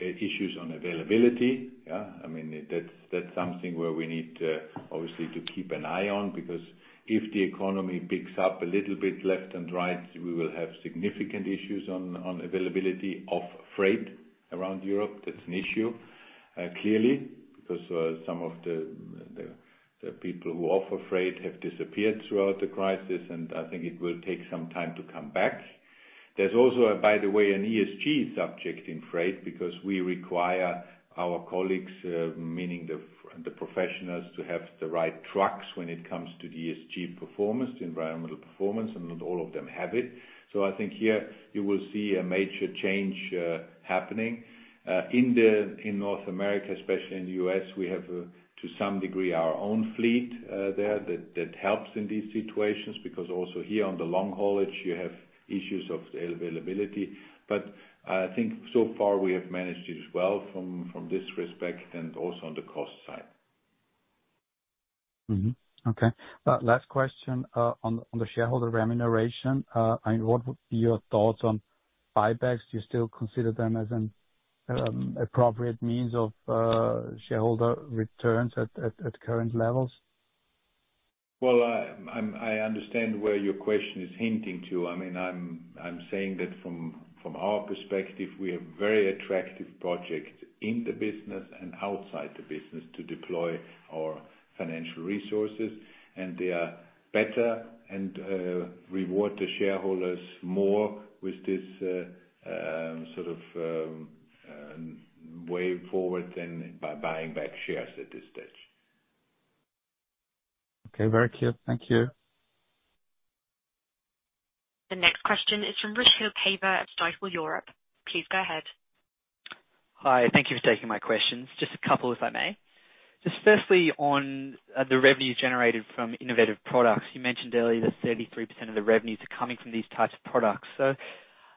issues on availability. That's something where we need obviously to keep an eye on, because if the economy picks up a little bit left and right, we will have significant issues on availability of freight around Europe. That's an issue, clearly, because some of the people who offer freight have disappeared throughout the crisis, and I think it will take some time to come back. There's also, by the way, an ESG subject in freight because we require our colleagues, meaning the professionals, to have the right trucks when it comes to ESG performance, environmental performance, and not all of them have it. I think here you will see a major change happening. In North America, especially in the U.S., we have to some degree our own fleet there that helps in these situations because also here on the long haulage, you have issues of availability. I think so far we have managed it well from this respect and also on the cost side. Okay. Last question on the shareholder remuneration. What would be your thoughts on buybacks? Do you still consider them as an appropriate means of shareholder returns at current levels? Well, I understand where your question is hinting to. I'm saying that from our perspective, we have very attractive projects in the business and outside the business to deploy our financial resources, and they are better and reward the shareholders more with this sort of way forward than by buying back shares at this stage. Okay. Very clear. Thank you. The next question is from Rich Hill-Haver at Stifel Europe. Please go ahead. Hi. Thank you for taking my questions. A couple, if I may. Firstly, on the revenue generated from innovative products. You mentioned earlier that 33% of the revenues are coming from these types of products.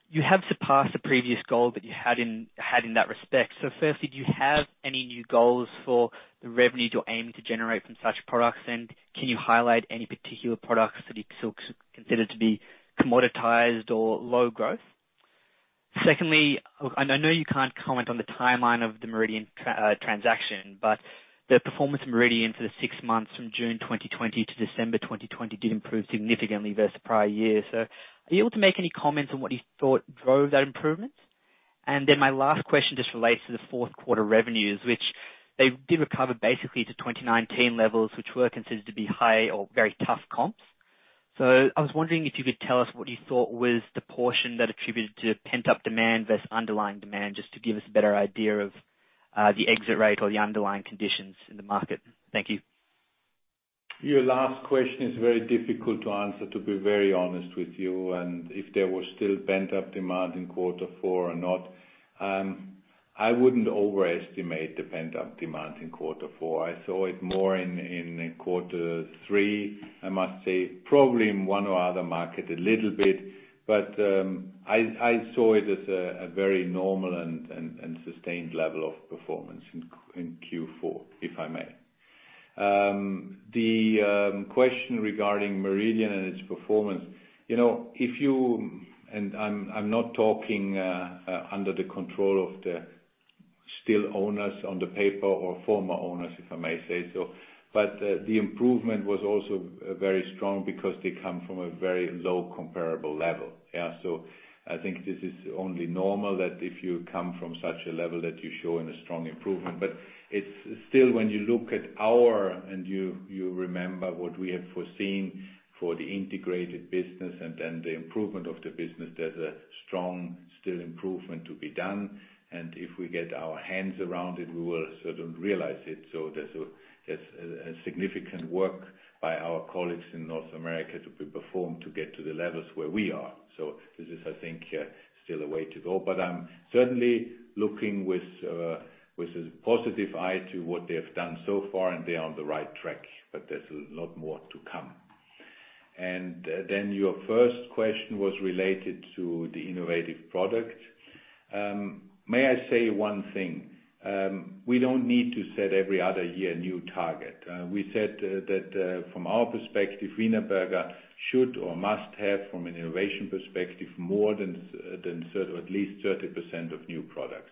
You have surpassed the previous goal that you had in that respect. Firstly, do you have any new goals for the revenue you're aiming to generate from such products? Can you highlight any particular products that you still consider to be commoditized or low growth? Secondly, I know you can't comment on the timeline of the Meridian transaction, but the performance of Meridian for the six months from June 2020 to December 2020 did improve significantly versus prior year. Are you able to make any comments on what you thought drove that improvement? My last question just relates to the fourth quarter revenues, which they did recover basically to 2019 levels, which were considered to be high or very tough comps. I was wondering if you could tell us what you thought was the portion that attributed to pent-up demand versus underlying demand, just to give us a better idea of the exit rate or the underlying conditions in the market. Thank you. Your last question is very difficult to answer, to be very honest with you, and if there was still pent-up demand in quarter four or not. I wouldn't overestimate the pent-up demand in quarter four. I saw it more in quarter three, I must say, probably in one or other market a little bit, but I saw it as a very normal and sustained level of performance in Q4, if I may. The question regarding Meridian and its performance. I'm not talking under the control of the still owners on the paper or former owners, if I may say so, but the improvement was also very strong because they come from a very low comparable level. I think this is only normal that if you come from such a level that you show a strong improvement. It's still when you look at our, and you remember what we have foreseen for the integrated business and then the improvement of the business, there's a strong still improvement to be done. If we get our hands around it, we will certainly realize it. There's a significant work by our colleagues in North America to be performed to get to the levels where we are. This is, I think, still a way to go. I'm certainly looking with a positive eye to what they have done so far, and they are on the right track, but there's a lot more to come. Your first question was related to the innovative product. May I say one thing? We don't need to set every other year a new target. We said that from our perspective, Wienerberger should or must have, from an innovation perspective, more than sort of at least 30% of new products.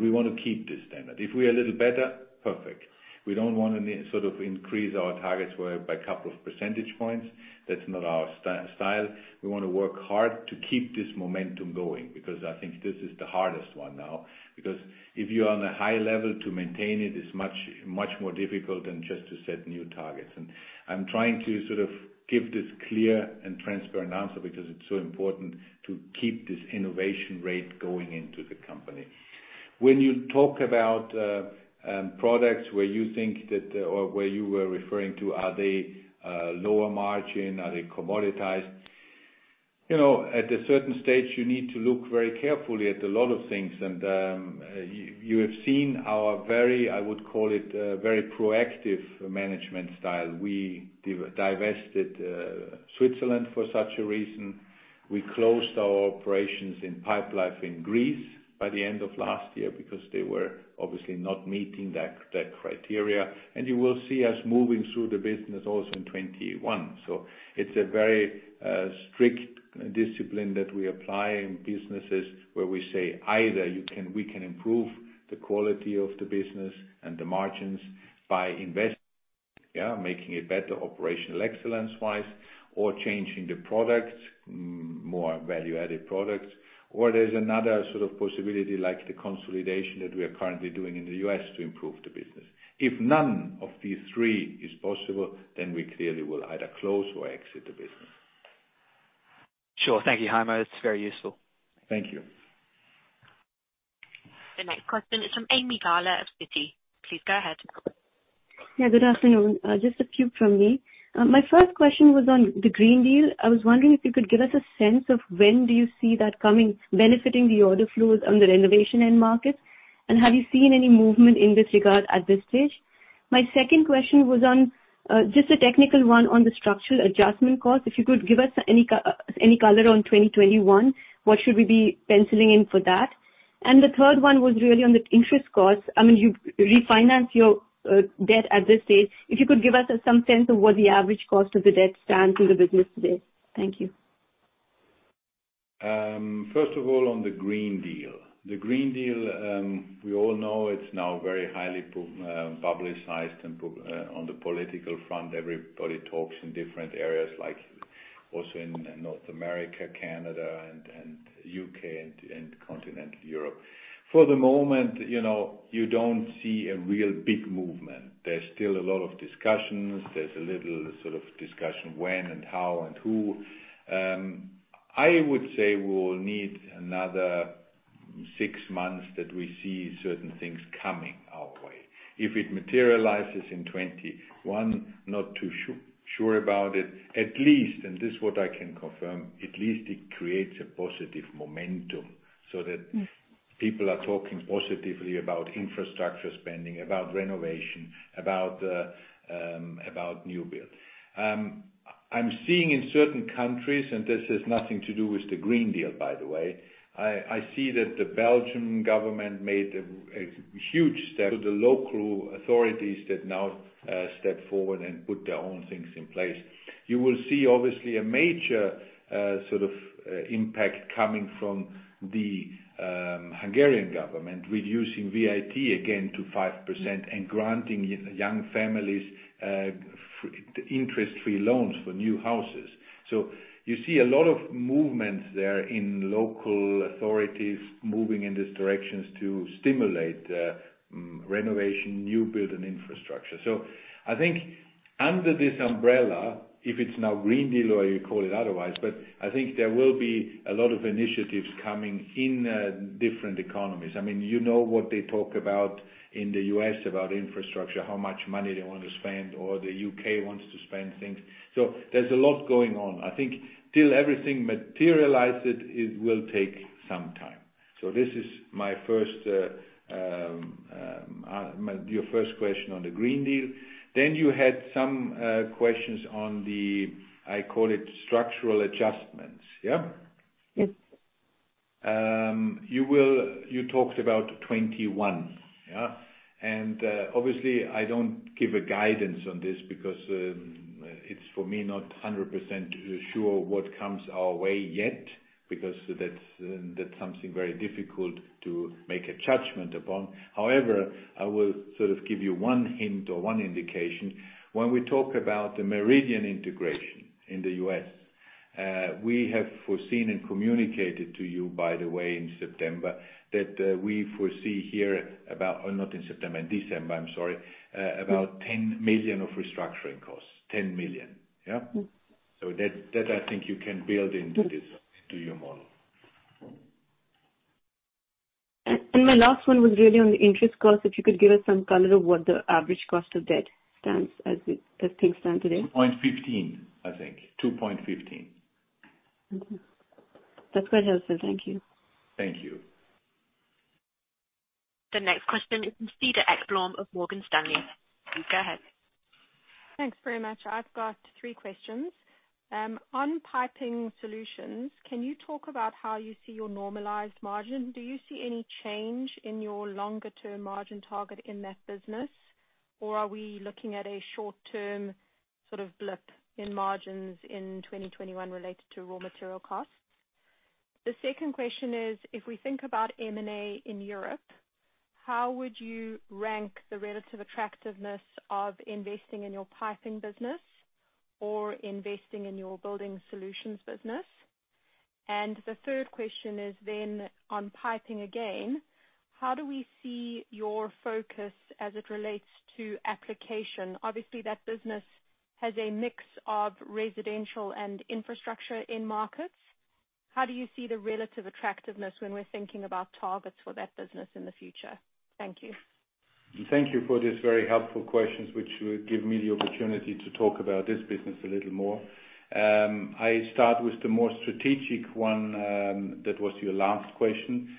We want to keep this standard. If we are a little better, perfect. We don't want to increase our targets by a couple of percentage points. That's not our style. We want to work hard to keep this momentum going, because I think this is the hardest one now. If you are on a high level, to maintain it is much more difficult than just to set new targets. I'm trying to give this clear and transparent answer because it's so important to keep this innovation rate going into the company. When you talk about products where you think that or where you were referring to, are they lower margin? Are they commoditized? At a certain stage, you need to look very carefully at a lot of things. You have seen our very, I would call it, very proactive management style. We divested Switzerland for such a reason. We closed our operations in Pipelife in Greece by the end of last year because they were obviously not meeting that criteria. You will see us moving through the business also in 2021. It's a very strict discipline that we apply in businesses where we say either we can improve the quality of the business and the margins by investing, making it better operational excellence-wise or changing the products, more value-added products. There's another sort of possibility like the consolidation that we are currently doing in the U.S. to improve the business. If none of these three is possible, then we clearly will either close or exit the business. Sure. Thank you, Heimo. That's very useful. Thank you. The next question is from Ami Galla of Citi. Please go ahead. Yeah, good afternoon. Just a few from me. My first question was on the Green Deal. I was wondering if you could give us a sense of when do you see that coming, benefiting the order flows on the renovation end markets, and have you seen any movement in this regard at this stage? My second question was on just a technical one on the structural adjustment cost. If you could give us any color on 2021, what should we be penciling in for that? The third one was really on the interest cost. You refinance your debt at this stage. If you could give us some sense of where the average cost of the debt stands in the business today. Thank you. First of all, on the Green Deal. The Green Deal, we all know it's now very highly publicized and on the political front, everybody talks in different areas, like also in North America, Canada and U.K. and Continental Europe. For the moment, you don't see a real big movement. There's still a lot of discussions. There's a little sort of discussion when and how and who. I would say we'll need another six months that we see certain things coming our way. If it materializes in 2021, not too sure about it. At least, and this is what I can confirm, at least it creates a positive momentum so that people are talking positively about infrastructure spending, about renovation, about new build. I'm seeing in certain countries, and this has nothing to do with the Green Deal, by the way. I see that the Belgian government made a huge step, so the local authorities that now step forward and put their own things in place. You will see obviously a major sort of impact coming from the Hungarian government, reducing VAT again to 5% and granting young families interest-free loans for new houses. You see a lot of movements there in local authorities moving in this direction to stimulate renovation, new build, and infrastructure. I think under this umbrella, if it's now Green Deal or you call it otherwise, but I think there will be a lot of initiatives coming in different economies. You know what they talk about in the U.S. about infrastructure, how much money they want to spend, or the U.K. wants to spend things. There's a lot going on. I think till everything materialized, it will take some time. This is your first question on the Green Deal. You had some questions on the, I call it structural adjustments. Yeah? Yes. You talked about 2021. Obviously I don't give a guidance on this because it's for me, not 100% sure what comes our way yet, because that's something very difficult to make a judgment upon. However, I will sort of give you one hint or one indication. When we talk about the Meridian integration in the U.S., we have foreseen and communicated to you, by the way, in September, that we foresee here about not in September, in December, I'm sorry. About 10 million of restructuring costs. 10 million. That I think you can build into this, into your model. My last one was really on the interest cost. If you could give us some color of what the average cost of debt stands as things stand today. 2.15, I think. 2.15. Okay. That's quite helpful. Thank you. Thank you. The next question is from Cedar Ekblom of Morgan Stanley. Please go ahead. Thanks very much. I've got three questions. On Piping Solutions, can you talk about how you see your normalized margin? Do you see any change in your longer term margin target in that business? Or are we looking at a short term sort of blip in margins in 2021 related to raw material costs? The second question is, if we think about M&A in Europe, how would you rank the relative attractiveness of investing in your Piping Solutions business or investing in your Building Solutions business? The third question is then on Piping Solutions again. How do we see your focus as it relates to application? Obviously that business has a mix of residential and infrastructure end markets. How do you see the relative attractiveness when we're thinking about targets for that business in the future? Thank you. Thank you for these very helpful questions, which will give me the opportunity to talk about this business a little more. I start with the more strategic one, that was your last question.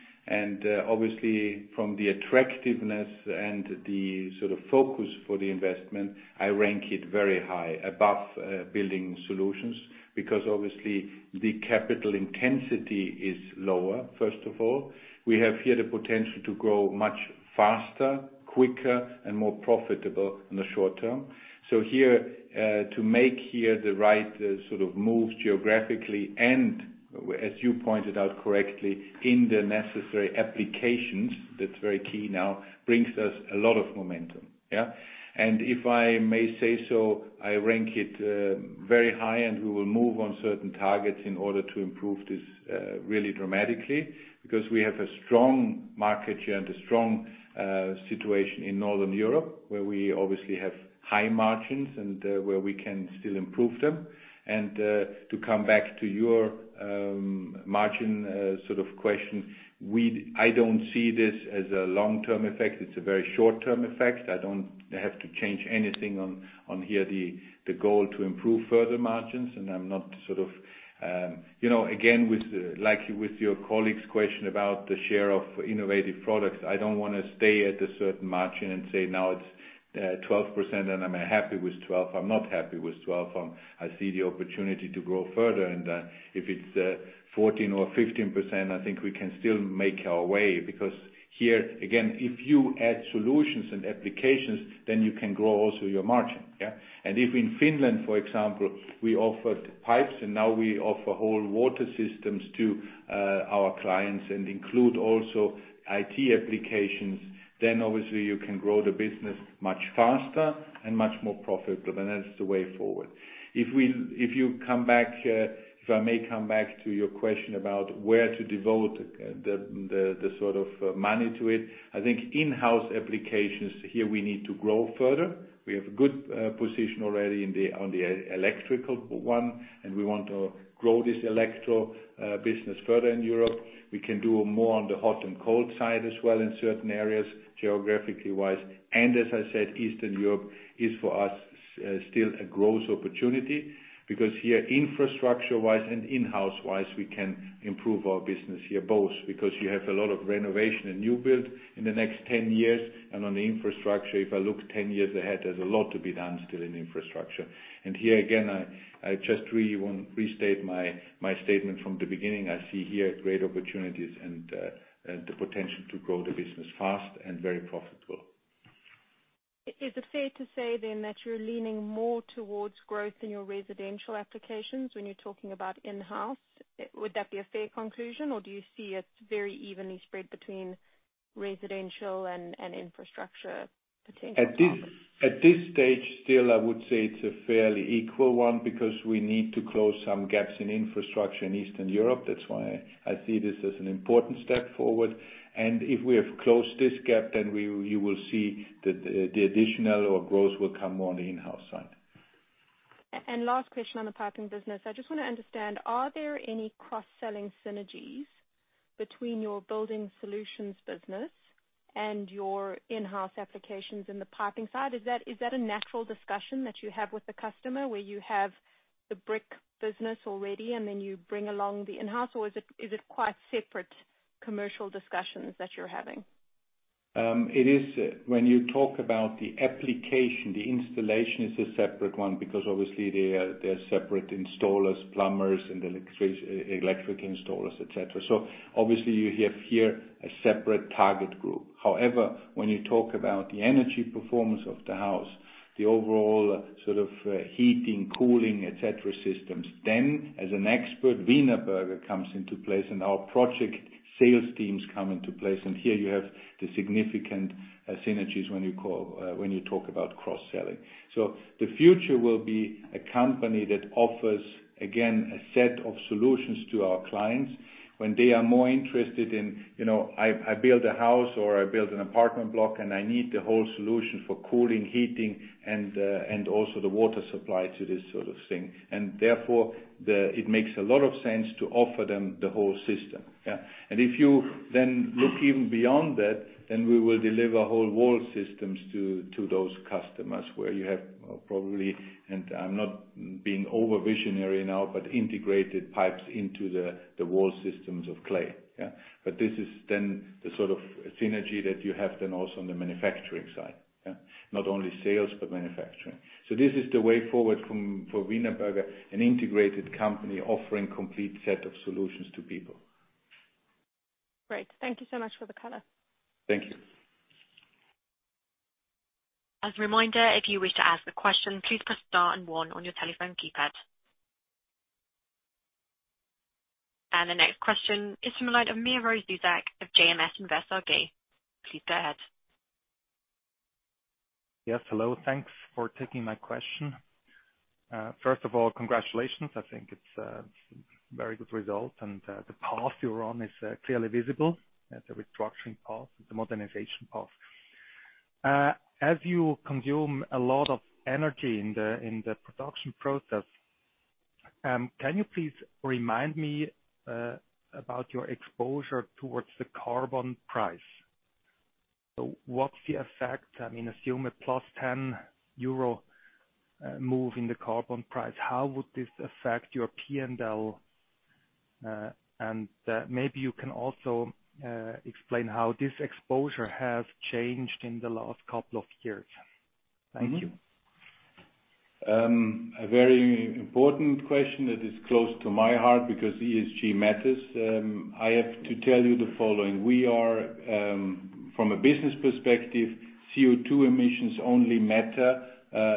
Obviously from the attractiveness and the sort of focus for the investment, I rank it very high above Building Solutions because obviously the capital intensity is lower, first of all. We have here the potential to grow much faster, quicker, and more profitable in the short term. Here, to make here the right sort of moves geographically and as you pointed out correctly, in the necessary applications, that's very key now, brings us a lot of momentum. Yeah? If I may say so, I rank it very high and we will move on certain targets in order to improve this really dramatically because we have a strong market share and a strong situation in Northern Europe where we obviously have high margins and where we can still improve them. To come back to your margin sort of question. I don't see this as a long-term effect. It's a very short-term effect. I don't have to change anything on here the goal to improve further margins. Again, like with your colleague's question about the share of innovative products. I don't want to stay at a certain margin and say, "Now it's 12% and I'm happy with 12." I'm not happy with 12. I see the opportunity to grow further and if it's 14% or 15%, I think we can still make our way because here again, if you add solutions and applications then you can grow also your margin. Yeah. If in Finland, for example, we offered pipes and now we offer whole water systems to our clients and include also IT applications, then obviously you can grow the business much faster and much more profitable and that's the way forward. If I may come back to your question about where to devote the sort of money to it. I think in-house applications here we need to grow further. We have a good position already on the electrical one and we want to grow this electrical business further in Europe. We can do more on the hot and cold side as well in certain areas geographically wise. As I said, Eastern Europe is for us still a growth opportunity because here infrastructure wise and in-house wise we can improve our business here, both because you have a lot of renovation and new build in the next 10 years and on the infrastructure if I look 10 years ahead, there is a lot to be done still in infrastructure. Here again, I just really want to restate my statement from the beginning. I see here great opportunities and the potential to grow the business fast and very profitable. Is it fair to say that you're leaning more towards growth in your residential applications when you're talking about in-house? Would that be a fair conclusion or do you see it very evenly spread between residential and infrastructure potential? At this stage still I would say it's a fairly equal one because we need to close some gaps in infrastructure in Eastern Europe. That's why I see this as an important step forward. If we have closed this gap, then you will see that the additional or growth will come more on the in-house side. Last question on the Piping business. I just want to understand, are there any cross-selling synergies between your Building Solutions business and your in-house applications in the Piping side, is that a natural discussion that you have with the customer, where you have the brick business already and then you bring along the in-house, or is it quite separate commercial discussions that you're having? It is. When you talk about the application, the installation is a separate one, because obviously they're separate installers, plumbers and electric installers, et cetera. Obviously you have here a separate target group. However, when you talk about the energy performance of the house, the overall sort of heating, cooling, et cetera systems, then as an expert, Wienerberger comes into place, and our project sales teams come into place, and here you have the significant synergies when you talk about cross-selling. The future will be a company that offers, again, a set of solutions to our clients when they are more interested in, I build a house or I build an apartment block and I need the whole solution for cooling, heating, and also the water supply to this sort of thing. Therefore, it makes a lot of sense to offer them the whole system. Yeah. If you then look even beyond that, then we will deliver whole wall systems to those customers where you have probably, and I'm not being over-visionary now, but integrated pipes into the wall systems of clay. Yeah. This is then the sort of synergy that you have then also on the manufacturing side. Yeah. Not only sales, but manufacturing. This is the way forward for Wienerberger, an integrated company offering complete set of solutions to people. Great. Thank you so much for the color. Thank you. As a reminder, if you wish to ask a question, please press star and one on your telephone keypad. The next question is from the line of Miro Zuzak of JMS Invest AG. Please go ahead. Yes, hello. Thanks for taking my question. First of all, congratulations. I think it's a very good result, and the path you're on is clearly visible, the restructuring path, the modernization path. As you consume a lot of energy in the production process, can you please remind me about your exposure towards the carbon price? What's the effect? Assume a +10 euro move in the carbon price. How would this affect your P&L? Maybe you can also explain how this exposure has changed in the last couple of years. Thank you. A very important question that is close to my heart because ESG matters. I have to tell you the following. From a business perspective, CO2 emissions only matter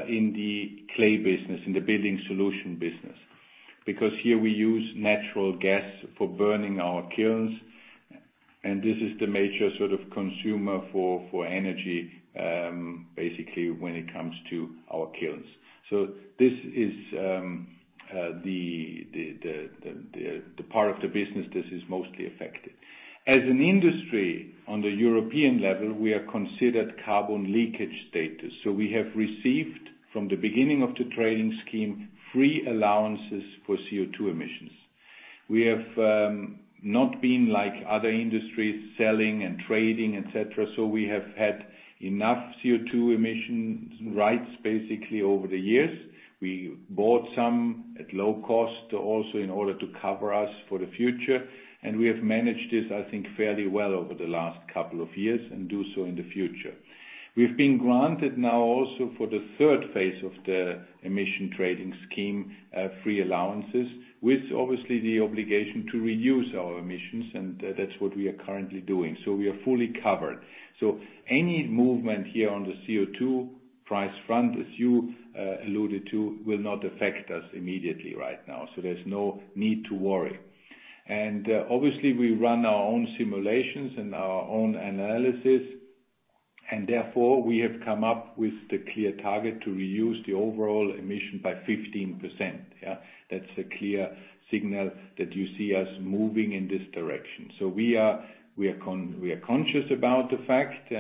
in the clay business, in the building solution business. Here we use natural gas for burning our kilns, and this is the major consumer for energy, basically when it comes to our kilns. This is the part of the business this is mostly affected. As an industry on the European level, we are considered carbon leakage status. We have received from the beginning of the trading scheme, free allowances for CO2 emissions. We have not been like other industries selling and trading, et cetera, we have had enough CO2 emission rights, basically over the years. We bought some at low cost also in order to cover us for the future, and we have managed this, I think, fairly well over the last couple of years and do so in the future. We've been granted now also for the third phase of the Emissions Trading System, free allowances, with obviously the obligation to reduce our emissions, and that's what we are currently doing. We are fully covered. Any movement here on the CO2 price front, as you alluded to, will not affect us immediately right now. There's no need to worry. Obviously we run our own simulations and our own analysis, and therefore we have come up with the clear target to reduce the overall emission by 15%. Yeah. That's a clear signal that you see us moving in this direction. We are conscious about the fact.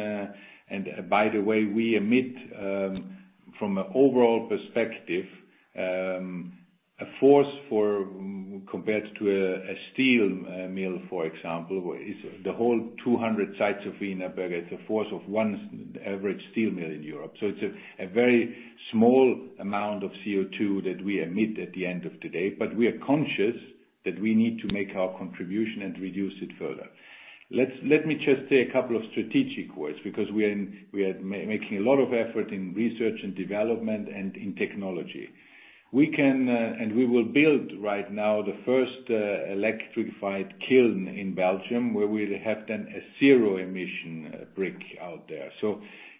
By the way, we emit, from an overall perspective, a force for, compared to a steel mill, for example, the whole 200 sites of Wienerberger, it's a force of one average steel mill in Europe. It's a very small amount of CO2 that we emit at the end of the day, but we are conscious that we need to make our contribution and reduce it further. Let me just say a couple of strategic words, because we are making a lot of effort in research and development and in technology. We can, and we will build right now the first electrified kiln in Belgium where we'll have then a zero emission brick out there.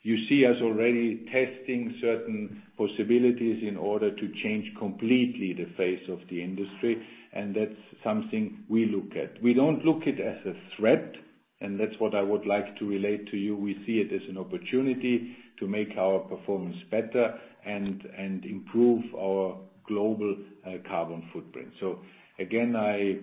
You see us already testing certain possibilities in order to change completely the face of the industry, and that's something we look at. We don't look it as a threat, and that's what I would like to relate to you. We see it as an opportunity to make our performance better and improve our global carbon footprint. Again, I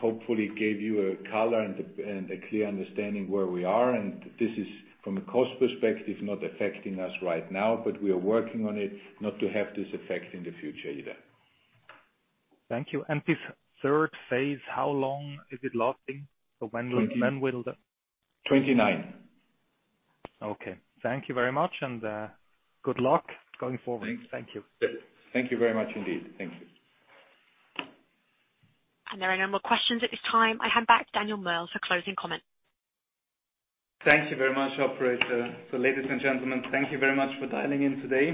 hopefully gave you a color and a clear understanding where we are, and this is from a cost perspective, not affecting us right now, but we are working on it not to have this effect in the future either. Thank you. This third phase, how long is it lasting? 29. Okay. Thank you very much, and good luck going forward. Thank you. Thank you very much indeed. Thank you. There are no more questions at this time. I hand back to Daniel Merl for closing comments. Thank you very much, operator. Ladies and gentlemen, thank you very much for dialing in today.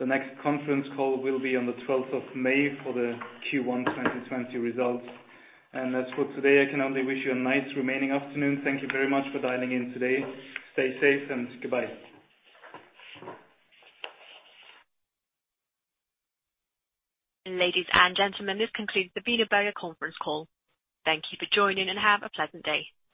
The next conference call will be on the 12th of May for the Q1 2020 results. As for today, I can only wish you a nice remaining afternoon. Thank you very much for dialing in today. Stay safe and goodbye. Ladies and gentlemen, this concludes the Wienerberger conference call. Thank you for joining, and have a pleasant day.